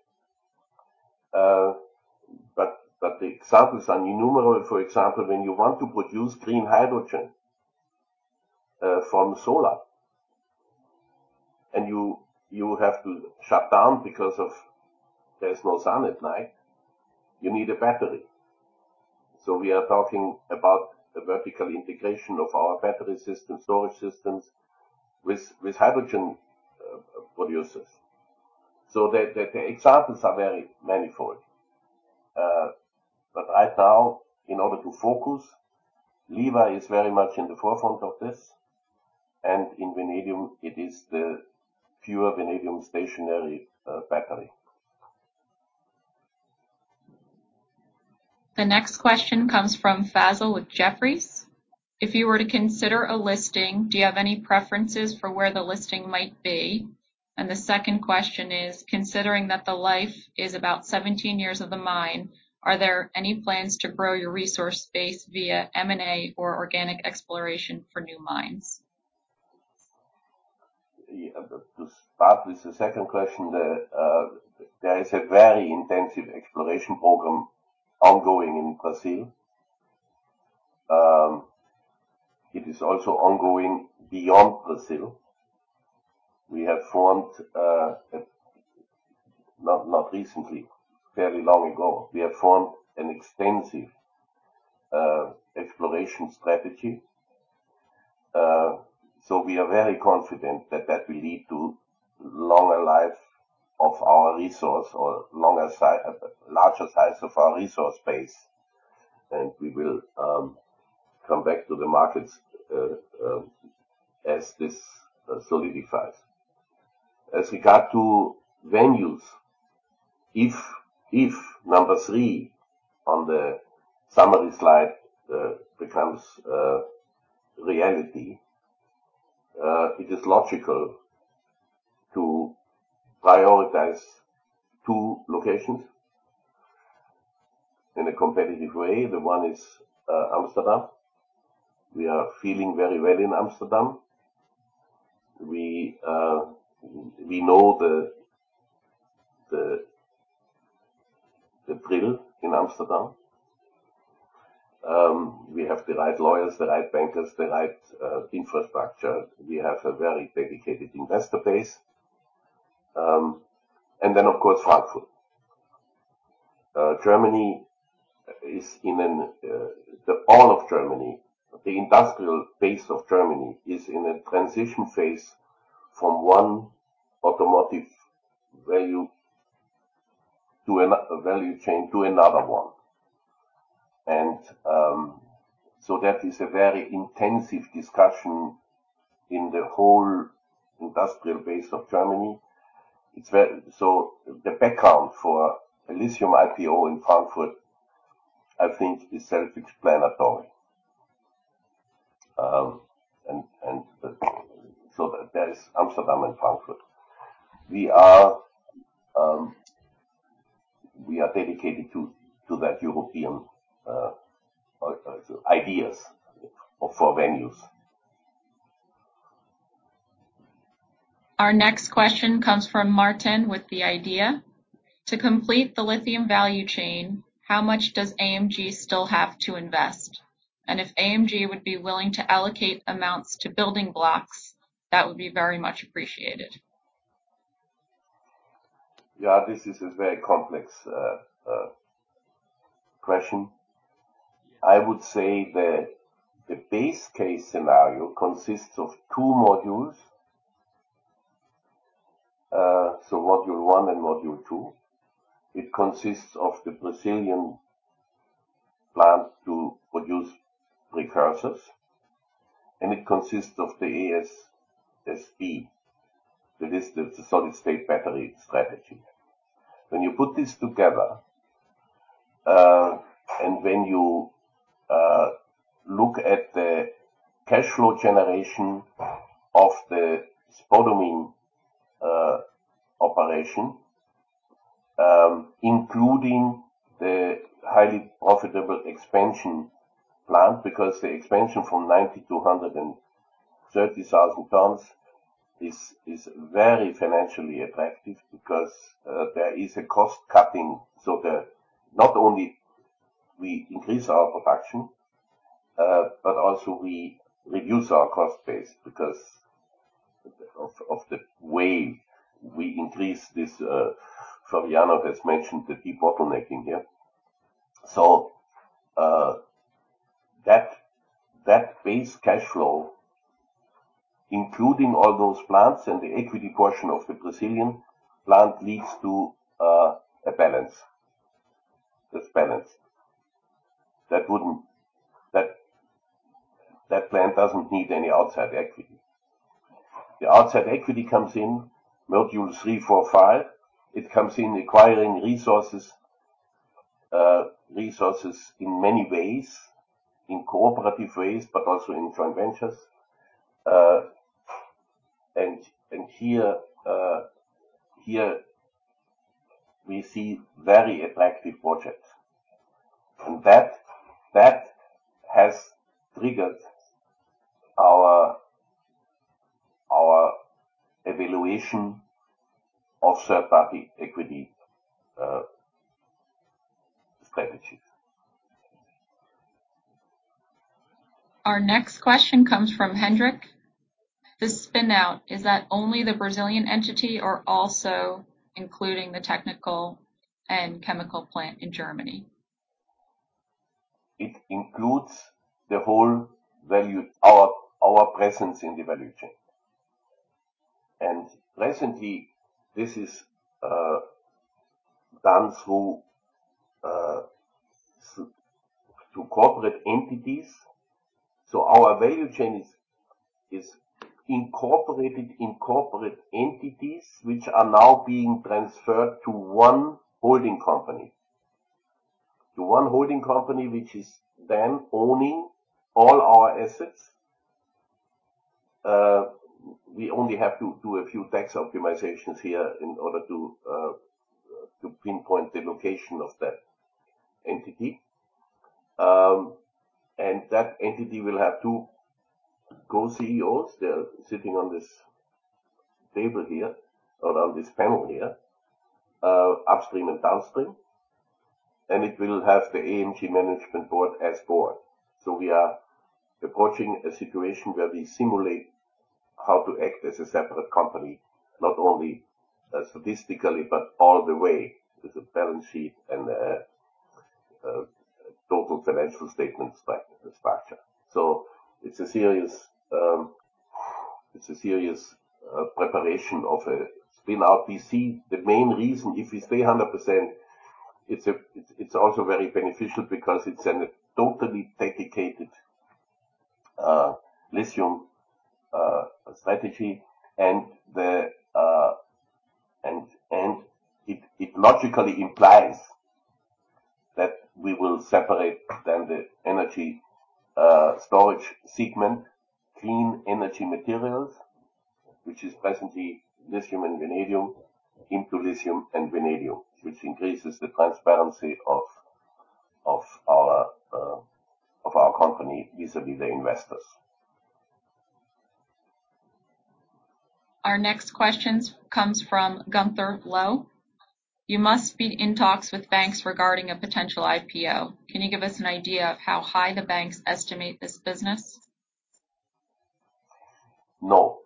Speaker 2: The examples are innumerable. For example, when you want to produce clean hydrogen from solar and you have to shut down because there's no sun at night, you need a battery. We are talking about a vertical integration of our battery storage systems with hydrogen producers. The examples are very manifold. Right now, in order to focus, LIVA is very much in the forefront of this. In vanadium, it is the pure vanadium stationary battery.
Speaker 1: The next question comes from Faiza with Jefferies. If you were to consider a listing, do you have any preferences for where the listing might be? The second question is, considering that the life is about 17 years of the mine, are there any plans to grow your resource base via M&A or organic exploration for new mines?
Speaker 2: Yeah. To start with the second question, there is a very intensive exploration program ongoing in Brazil. It is also ongoing beyond Brazil. We have formed an extensive exploration strategy not recently, fairly long ago. We are very confident that will lead to longer life of our resource or larger size of our resource base. We will come back to the markets as this solidifies. As regards to venues, if number three on the summary slide becomes reality, it is logical to prioritize two locations in a competitive way. The one is Amsterdam. We are feeling very well in Amsterdam. We know the drill in Amsterdam. We have the right lawyers, the right bankers, the right infrastructure. We have a very dedicated investor base. Then of course, Frankfurt. Germany, the whole of Germany, the industrial base of Germany is in a transition phase from one automotive value chain to another one. That is a very intensive discussion in the whole industrial base of Germany. The background for Lithium IPO in Frankfurt, I think is self-explanatory. That is Amsterdam and Frankfurt. We are dedicated to that European idea of four venues.
Speaker 1: Our next question comes from Martijn den Drijver with the idea: To complete the lithium value chain, how much does AMG still have to invest? If AMG would be willing to allocate amounts to building blocks, that would be very much appreciated.
Speaker 2: Yeah. This is a very complex question. I would say the base case scenario consists of two modules. Module one and module two. It consists of the Brazilian plant to produce precursors, and it consists of the ASSB. That is the solid-state battery strategy. When you put this together, and when you look at the cash flow generation of the spodumene operation, including the highly profitable expansion plant, because the expansion from 90,000 to 130,000 tons is very financially attractive because there is a cost cutting. Not only we increase our production, but also we reduce our cost base because of the way we increase this. Fabiano has mentioned the debottlenecking here. That base cash flow, including all those plants and the equity portion of the Brazilian plant, leads to a balance. That's balanced. That plant doesn't need any outside equity. The outside equity comes in module three, four, five. It comes in acquiring resources in many ways, in cooperative ways, but also in joint ventures. Here we see very attractive projects. That has triggered our evaluation of third-party equity strategy.
Speaker 1: Our next question comes from Henk Veerman. The spin-out, is that only the Brazilian entity or also including the technical and chemical plant in Germany?
Speaker 2: It includes the whole value chain, our presence in the value chain. Presently, this is done through corporate entities. Our value chain is incorporated in corporate entities, which are now being transferred to one holding company, which is then owning all our assets. We only have to do a few tax optimizations here in order to pinpoint the location of that entity. That entity will have two co-CEOs. They are sitting on this table here or on this panel here, upstream and downstream, and it will have the AMG management board as board. We are approaching a situation where we simulate how to act as a separate company, not only statistically, but all the way with the balance sheet and the total financial statements perspective. It's a serious preparation of a spin-out. We see the main reason, if we stay 100%, it's also very beneficial because it's a totally dedicated lithium strategy. It logically implies that we will separate the energy storage segment, Clean Energy Materials, which is presently lithium and vanadium into lithium and vanadium, which increases the transparency of our company vis-à-vis the investors.
Speaker 1: Our next question comes from Gunter Lowe. You must be in talks with banks regarding a potential IPO. Can you give us an idea of how high the banks estimate this business?
Speaker 2: No.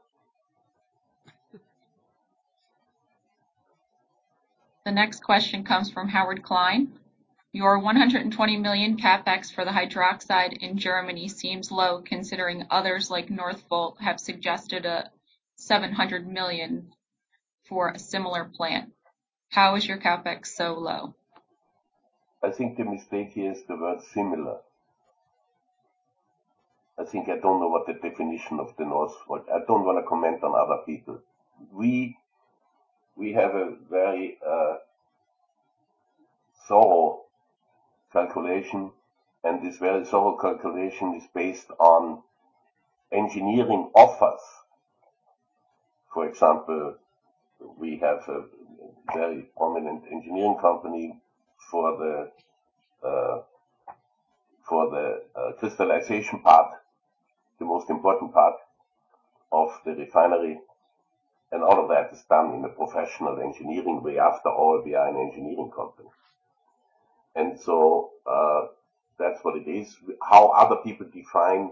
Speaker 1: The next question comes from Howard Klein. Your 120 million CapEx for the hydroxide in Germany seems low, considering others like Northvolt have suggested a 700 million for a similar plant. How is your CapEx so low?
Speaker 2: I think the mistake here is the word similar. I don't know what the definition of the Northvolt. I don't wanna comment on other people. We have a very thorough calculation, and this very thorough calculation is based on engineering offers. For example, we have a very prominent engineering company for the crystallization part, the most important part of the refinery, and all of that is done in a professional engineering way. After all, we are an engineering company. That's what it is. How other people define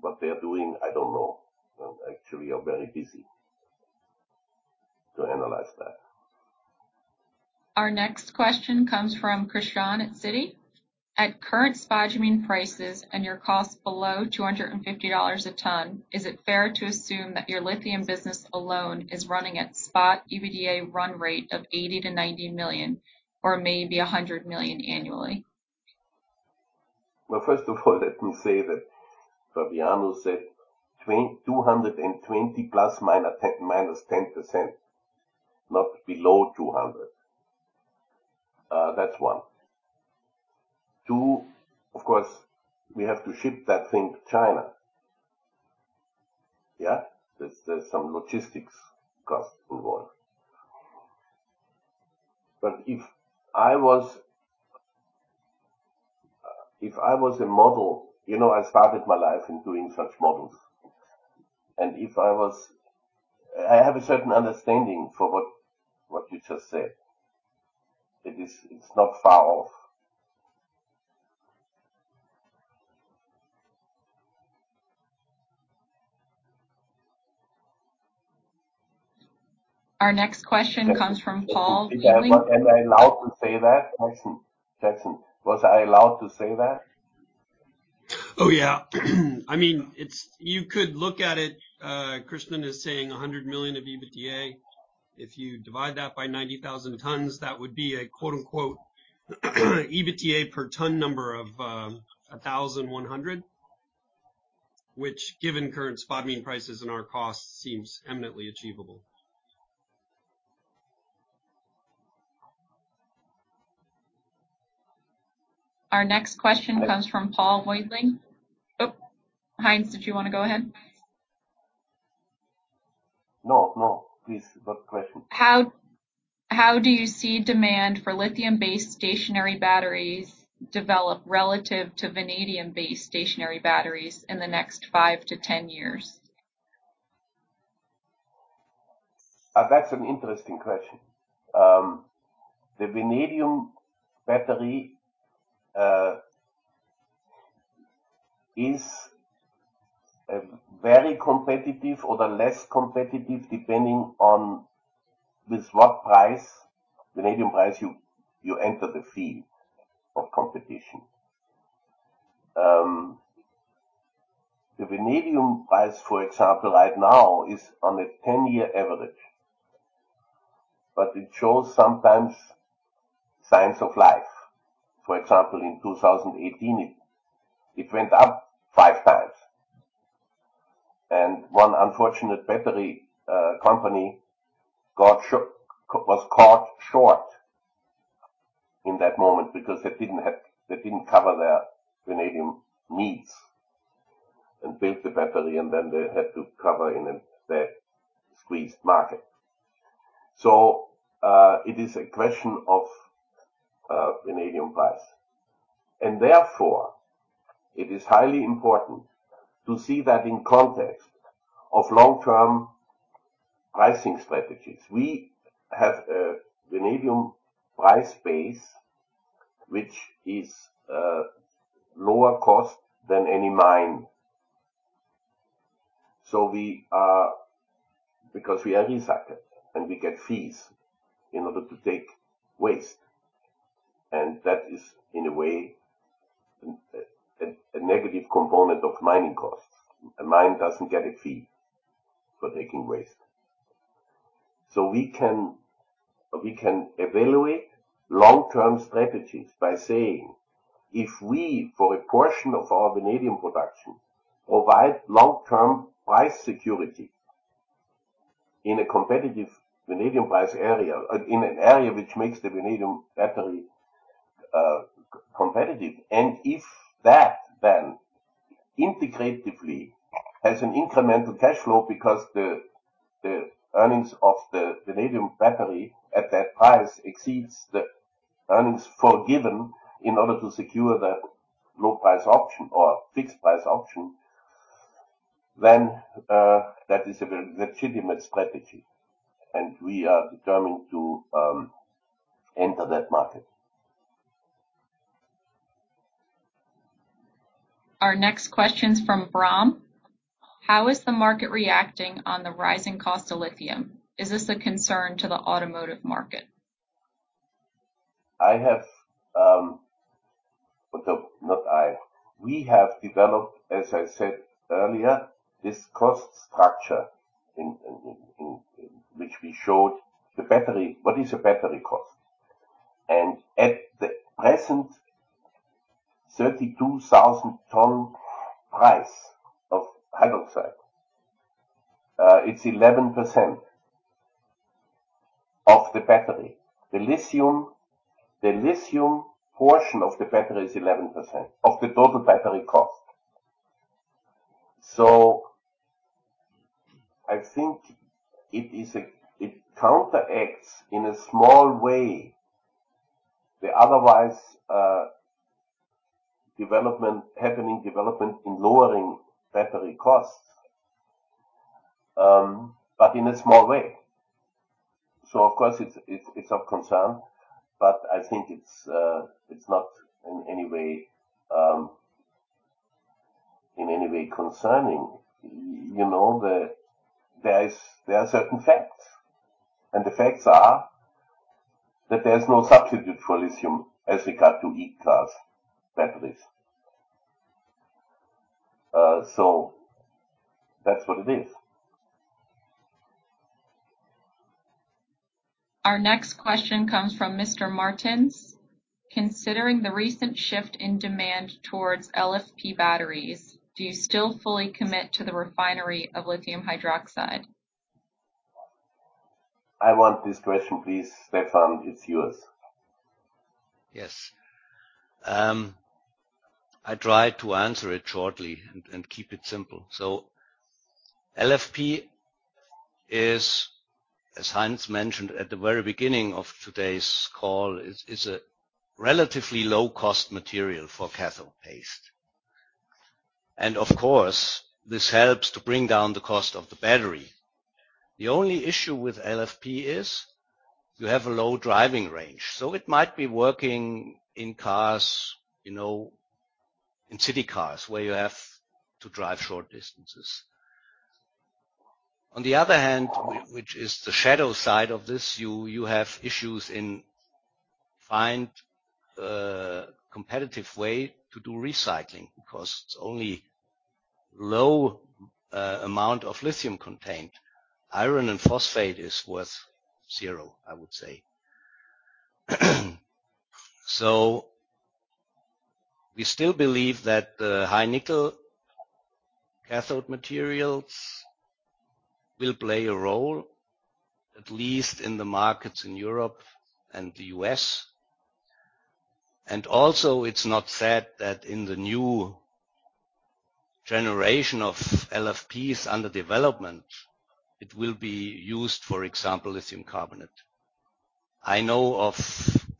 Speaker 2: what they are doing, I don't know. Actually, you're very welcome to analyze that.
Speaker 1: Our next question comes from Christian at Citi. At current spodumene prices and your cost below $250 a ton, is it fair to assume that your lithium business alone is running at spot EBITDA run rate of $80 million-$90 million or maybe $100 million annually?
Speaker 2: Well, first of all, let me say that Fabiano said 220 ±10%, not below 200. That's one. Two, of course, we have to ship that thing to China. Yeah. There's some logistics cost involved. But if I was a model, you know, I started my life in doing such models. I have a certain understanding for what you just said. It is, it's not far off.
Speaker 1: Our next question comes from Paul-
Speaker 2: Yeah. Am I allowed to say that, Jason? Jason, was I allowed to say that?
Speaker 5: Oh, yeah. I mean, it's you could look at it, Christian is saying 100 million of EBITDA. If you divide that by 90,000 tons, that would be a quote, unquote, EBITDA per ton number of 1,100, which given current spodumene prices and our costs seems eminently achievable.
Speaker 1: Our next question comes from Paul Weigling. Oh, Heinz, did you wanna go ahead?
Speaker 2: No, no. Please, what question?
Speaker 1: How do you see demand for lithium-based stationary batteries develop relative to vanadium-based stationary batteries in the next five to 10 years?
Speaker 2: That's an interesting question. The vanadium battery is very competitive or the less competitive, depending on with what price, vanadium price you enter the field of competition. The vanadium price, for example, right now is on a ten-year average, but it shows sometimes signs of life. For example, in 2018, it went up five times. One unfortunate battery company was caught short in that moment because they didn't cover their vanadium needs and built the battery, and then they had to cover in their squeezed market. It is a question of vanadium price. Therefore, it is highly important to see that in context of long-term pricing strategies. We have a vanadium price base which is lower cost than any mine. We are recycled and we get fees in order to take waste, and that is, in a way, a negative component of mining costs. A mine doesn't get a fee for taking waste. We can evaluate long-term strategies by saying, if we, for a portion of our vanadium production, provide long-term price security in a competitive vanadium price area, in an area which makes the vanadium battery competitive, and if that then integrally has an incremental cash flow because the earnings of the vanadium battery at that price exceeds the earnings foregone in order to secure that low price option or fixed price option. That is a very legitimate strategy, and we are determined to enter that market.
Speaker 1: Our next question is from Brahm. How is the market reacting on the rising cost of lithium? Is this a concern to the automotive market?
Speaker 2: We have developed, as I said earlier, this cost structure in which we showed the battery cost. At the present 32,000 ton price of hydroxide, it's 11% of the battery. The lithium portion of the battery is 11% of the total battery cost. I think it counteracts in a small way the otherwise development in lowering battery costs, but in a small way. Of course, it's of concern, but I think it's not in any way concerning. There are certain facts, and the facts are that there's no substitute for lithium as regards EV batteries. That's what it is.
Speaker 1: Our next question comes from Mr. Martins. Considering the recent shift in demand towards LFP batteries, do you still fully commit to the refinery of lithium hydroxide?
Speaker 2: I want this question, please. Stefan, it's yours.
Speaker 4: Yes. I try to answer it shortly and keep it simple. LFP is, as Heinz mentioned at the very beginning of today's call, a relatively low cost material for cathode paste. Of course, this helps to bring down the cost of the battery. The only issue with LFP is you have a low driving range, so it might be working in cars, you know, in city cars where you have to drive short distances. On the other hand, which is the shadow side of this, you have issues in finding a competitive way to do recycling because it's only low amount of lithium contained. Iron and phosphate is worth zero, I would say. We still believe that high nickel cathode materials will play a role, at least in the markets in Europe and the U.S. Also it's not said that in the new generation of LFPs under development, it will be used, for example, lithium carbonate. I know of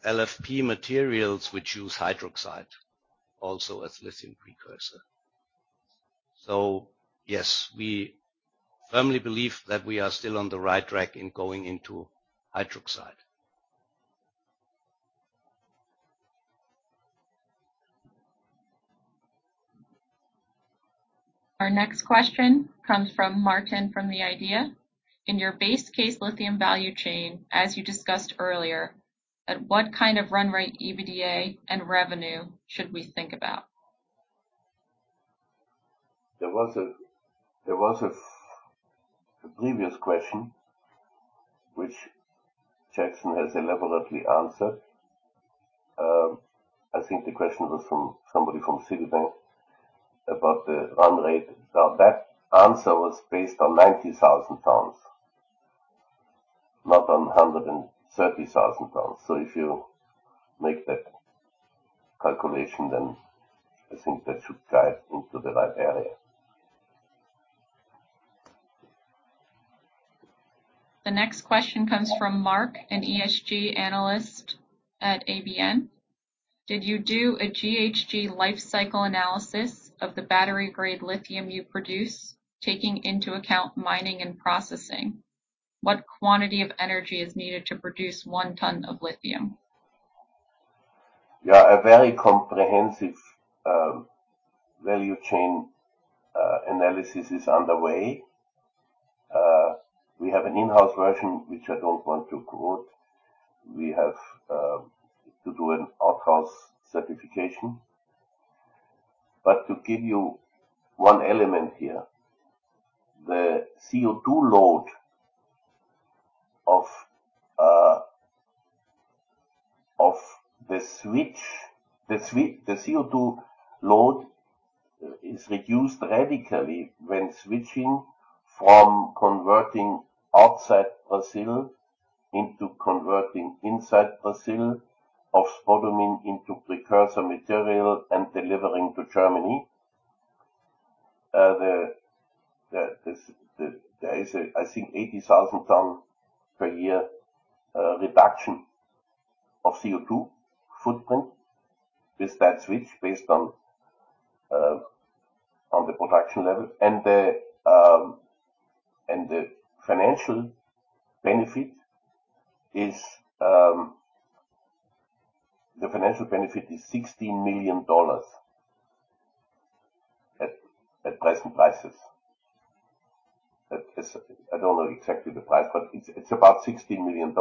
Speaker 4: LFP materials which use hydroxide also as lithium precursor. Yes, we firmly believe that we are still on the right track in going into hydroxide.
Speaker 1: Our next question comes from Martijn den Drijver from ABN AMRO. In your base case lithium value chain, as you discussed earlier, at what kind of run rate, EBITDA and revenue should we think about?
Speaker 2: There was a previous question, which Jackson has elaborately answered. I think the question was from somebody from Citi about the run rate. Now, that answer was based on 90,000 tons, not on 130,000 tons. If you make that calculation, then I think that should guide into the right area.
Speaker 1: The next question comes from Martijn den Drijver, an ESG analyst at ABN. Did you do a GHG life cycle analysis of the battery grade lithium you produce, taking into account mining and processing? What quantity of energy is needed to produce 1 ton of Lithium?
Speaker 2: Yeah. A very comprehensive value chain analysis is underway. We have an in-house version, which I don't want to quote. We have to do an out-house certification. To give you one element here, the CO₂ load is reduced radically when switching from converting outside Brazil into converting inside Brazil of spodumene into precursor material and delivering to Germany. There is, I think, 80,000 tons per year reduction of CO2 footprint. The stats which based on the production level. The financial benefit is $16 million at present prices. I don't know exactly the price, but it's about $16 million.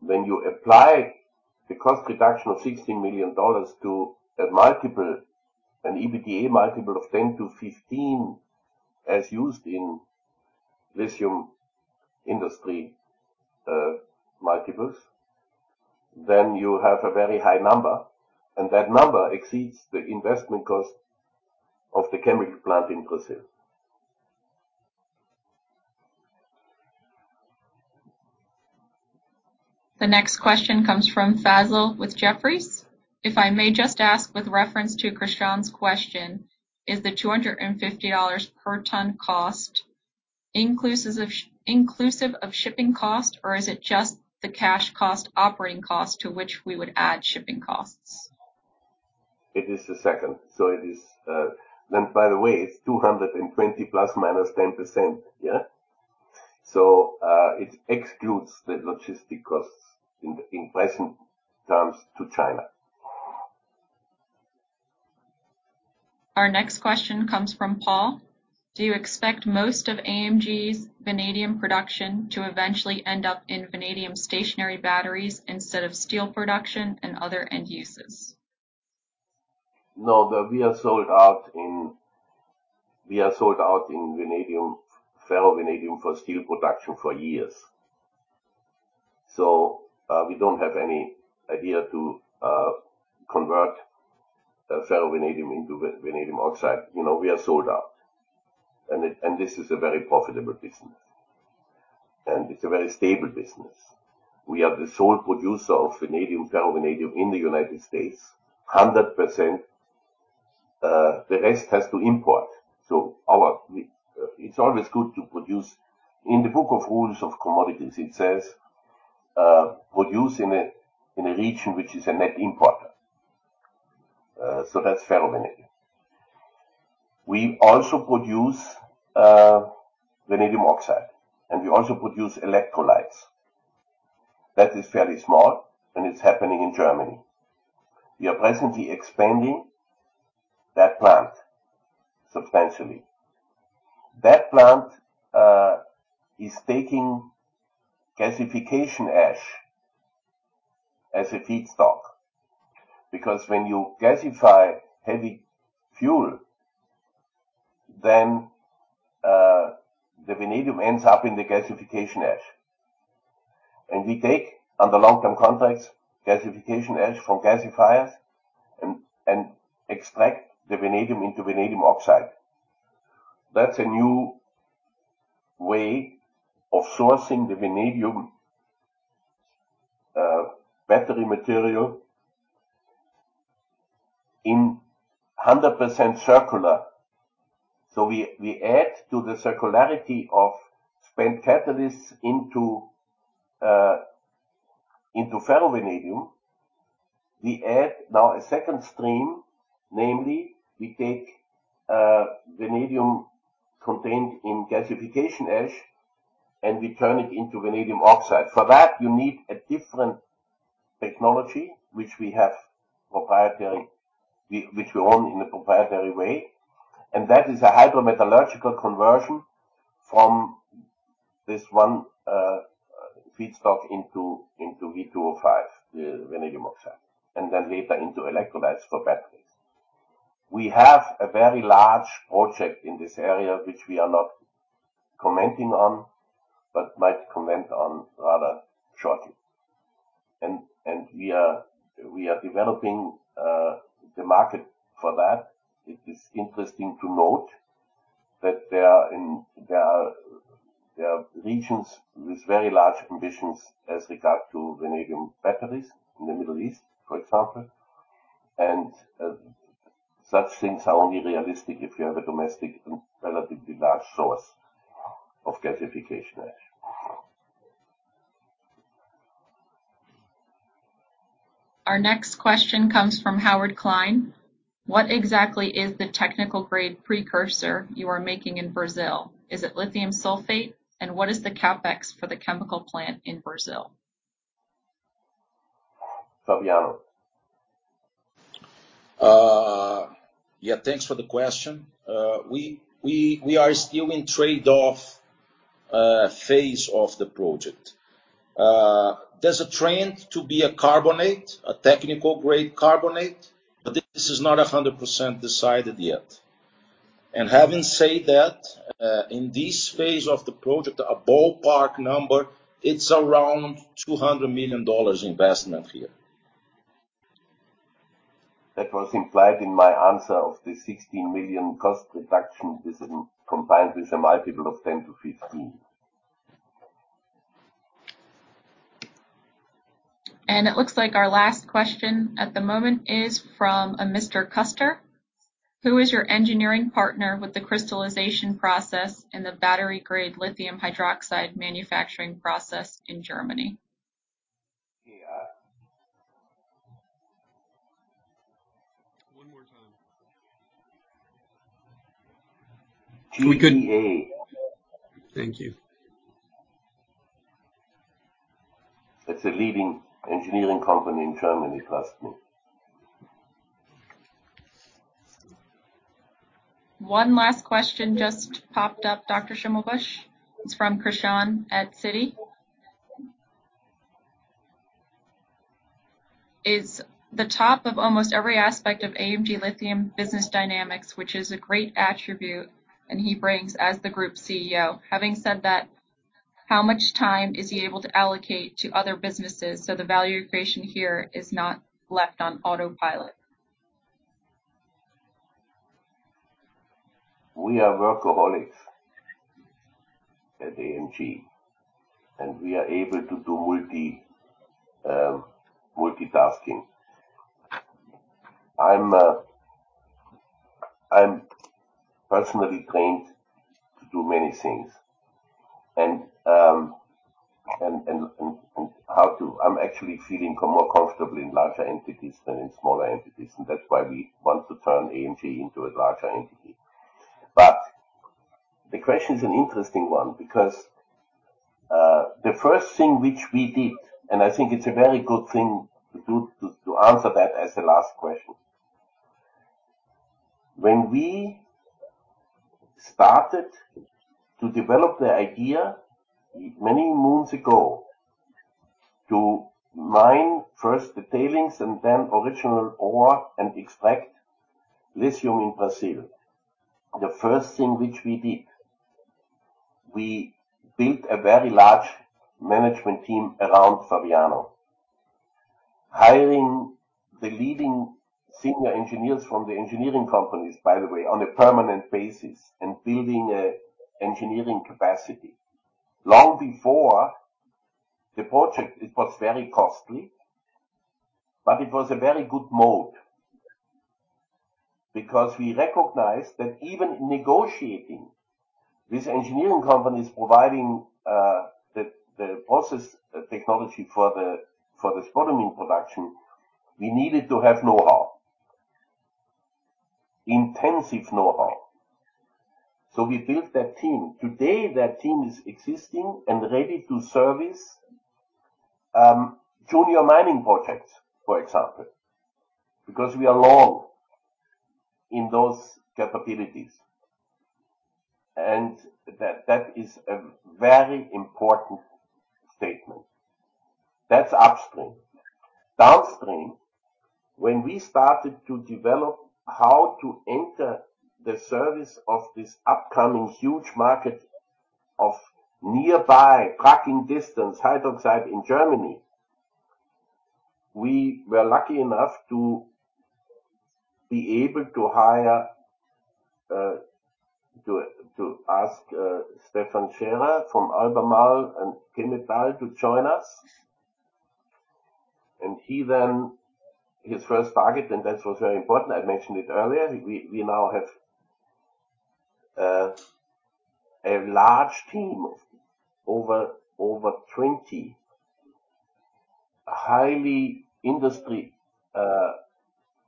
Speaker 2: When you apply the cost reduction of $16 million to a multiple, an EBITDA multiple of 10-15, as used in lithium industry multiples, then you have a very high number, and that number exceeds the investment cost of the chemical plant in Brazil.
Speaker 1: The next question comes from Fazil with Jefferies. If I may just ask with reference to Custer's question, is the $250 per ton cost inclusive of shipping cost, or is it just the cash cost, operating cost to which we would add shipping costs?
Speaker 2: It is the second. It is. By the way, it's 220 ±10%, yeah. It excludes the logistics costs in present terms to China.
Speaker 1: Our next question comes from Paul. Do you expect most of AMG's vanadium production to eventually end up in vanadium stationary batteries instead of steel production and other end uses?
Speaker 2: No, we are sold out in vanadium, ferrovanadium for steel production for years. We don't have any idea to convert ferrovanadium into vanadium oxide. You know, we are sold out. This is a very profitable business, and it's a very stable business. We are the sole producer of vanadium, ferrovanadium in the United States, 100%. The rest has to import. It's always good to produce. In the book of rules of commodities it says, produce in a region which is a net importer. That's ferrovanadium. We also produce vanadium oxide, and we also produce electrolytes. That is fairly small, and it's happening in Germany. We are presently expanding that plant substantially. That plant is taking gasification ash as a feedstock, because when you gasify heavy fuel, then the vanadium ends up in the gasification ash. We take, under long-term contracts, gasification ash from gasifiers and extract the vanadium into vanadium oxide. That's a new way of sourcing the vanadium battery material in 100% circular. We add to the circularity of spent catalysts into ferrovanadium. We add now a second stream, namely we take vanadium contained in gasification ash, and we turn it into vanadium oxide. For that, you need a different technology, which we have proprietary, which we own in a proprietary way, and that is a hydrometallurgical conversion from this one feedstock into V2O5, the vanadium oxide, and then later into electrolytes for batteries. We have a very large project in this area, which we are not commenting on, but might comment on rather shortly. We are developing the market for that. It is interesting to note that there are regions with very large ambitions as regards vanadium batteries. In the Middle East, for example. Such things are only realistic if you have a domestic and relatively large source of gasification ash.
Speaker 1: Our next question comes from Howard Klein. What exactly is the technical grade precursor you are making in Brazil? Is it lithium carbonate? And what is the CapEx for the chemical plant in Brazil?
Speaker 2: Fabiano.
Speaker 3: Yeah, thanks for the question. We are still in trade-off phase of the project. There's a trend to be a carbonate, a technical grade carbonate, but this is not 100% decided yet. Having said that, in this phase of the project, a ballpark number, it's around $200 million investment here.
Speaker 2: That was implied in my answer of the 16 million cost reduction decision combined with a multiple of 10-15.
Speaker 1: It looks like our last question at the moment is from a Mr. Custer. Who is your engineering partner with the crystallization process and the battery grade lithium hydroxide manufacturing process in Germany?
Speaker 2: Yeah.
Speaker 5: One more time.
Speaker 2: We couldn't-
Speaker 5: Thank you.
Speaker 2: It's a leading engineering company in Germany, trust me.
Speaker 1: One last question just popped up, Dr. Schimmelbusch. It's from Christian at Citi. He's at the top of almost every aspect of AMG Lithium business dynamics, which is a great attribute, and he brings as the group CEO. Having said that, how much time is he able to allocate to other businesses, so the value creation here is not left on autopilot?
Speaker 2: We are workaholics at AMG, and we are able to do multitasking. I'm personally trained to do many things. I'm actually feeling more comfortable in larger entities than in smaller entities, and that's why we want to turn AMG into a larger entity. The question is an interesting one because the first thing which we did, and I think it's a very good thing to do, to answer that as the last question. When we started to develop the idea many moons ago to mine first the tailings and then original ore and extract lithium in Brazil, the first thing which we did, we built a very large management team around Fabiano, hiring the leading senior engineers from the engineering companies, by the way, on a permanent basis and building an engineering capacity. Long before the project, it was very costly, but it was a very good move because we recognized that even negotiating with engineering companies providing the process technology for the spodumene production, we needed to have intensive know-how. We built that team. Today, that team is existing and ready to service junior mining projects, for example, because we are long in those capabilities. That is a very important statement. That's upstream. Downstream, when we started to develop how to enter the service of this upcoming huge market of battery-grade lithium hydroxide in Germany, we were lucky enough to be able to hire Stefan Scherer from Albemarle and Chemetall to join us. He then... His first target, that was very important. I mentioned it earlier. We now have a large team of over 20 highly industry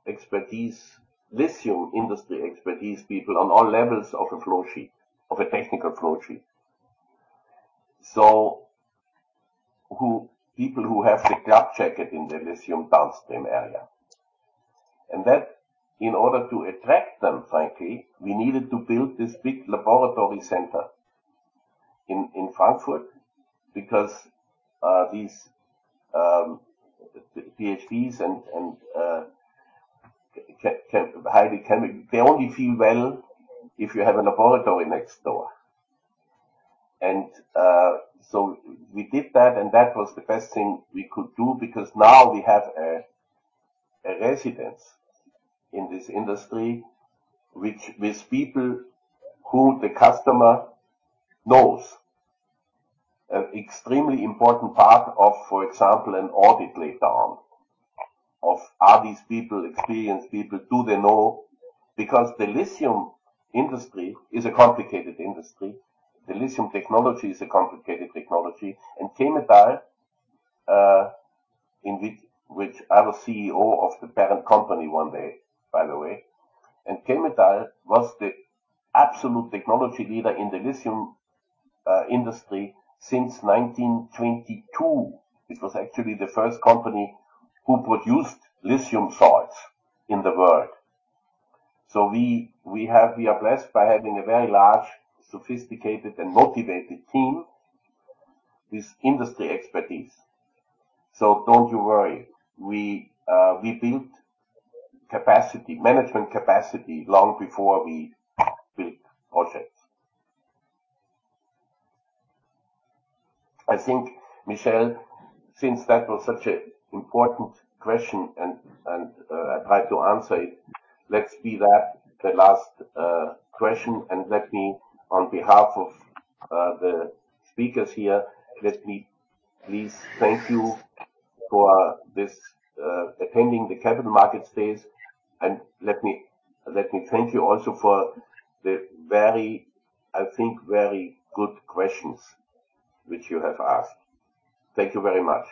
Speaker 2: expertise, lithium industry expertise people on all levels of a flow sheet, of a technical flow sheet. People who have their lab jacket in the lithium downstream area. We did that was the best thing we could do because now we have a presence in this industry with people who the customer knows. An extremely important part of, for example, an audit later on of are these people experienced people? Do they know? Because the lithium industry is a complicated industry. The lithium technology is a complicated technology. Chemetall, in which I was CEO of the parent company one day, by the way. Chemetall was the absolute technology leader in the lithium industry since 1922. It was actually the first company who produced lithium salts in the world. We are blessed by having a very large, sophisticated and motivated team with industry expertise. Don't you worry, we built capacity, management capacity long before we built projects. I think, Michele, since that was such a important question and I tried to answer it, let's make that the last question. Let me, on behalf of the speakers here, please thank you for attending the Capital Markets Day. Let me thank you also for the very, I think, very good questions which you have asked. Thank you very much.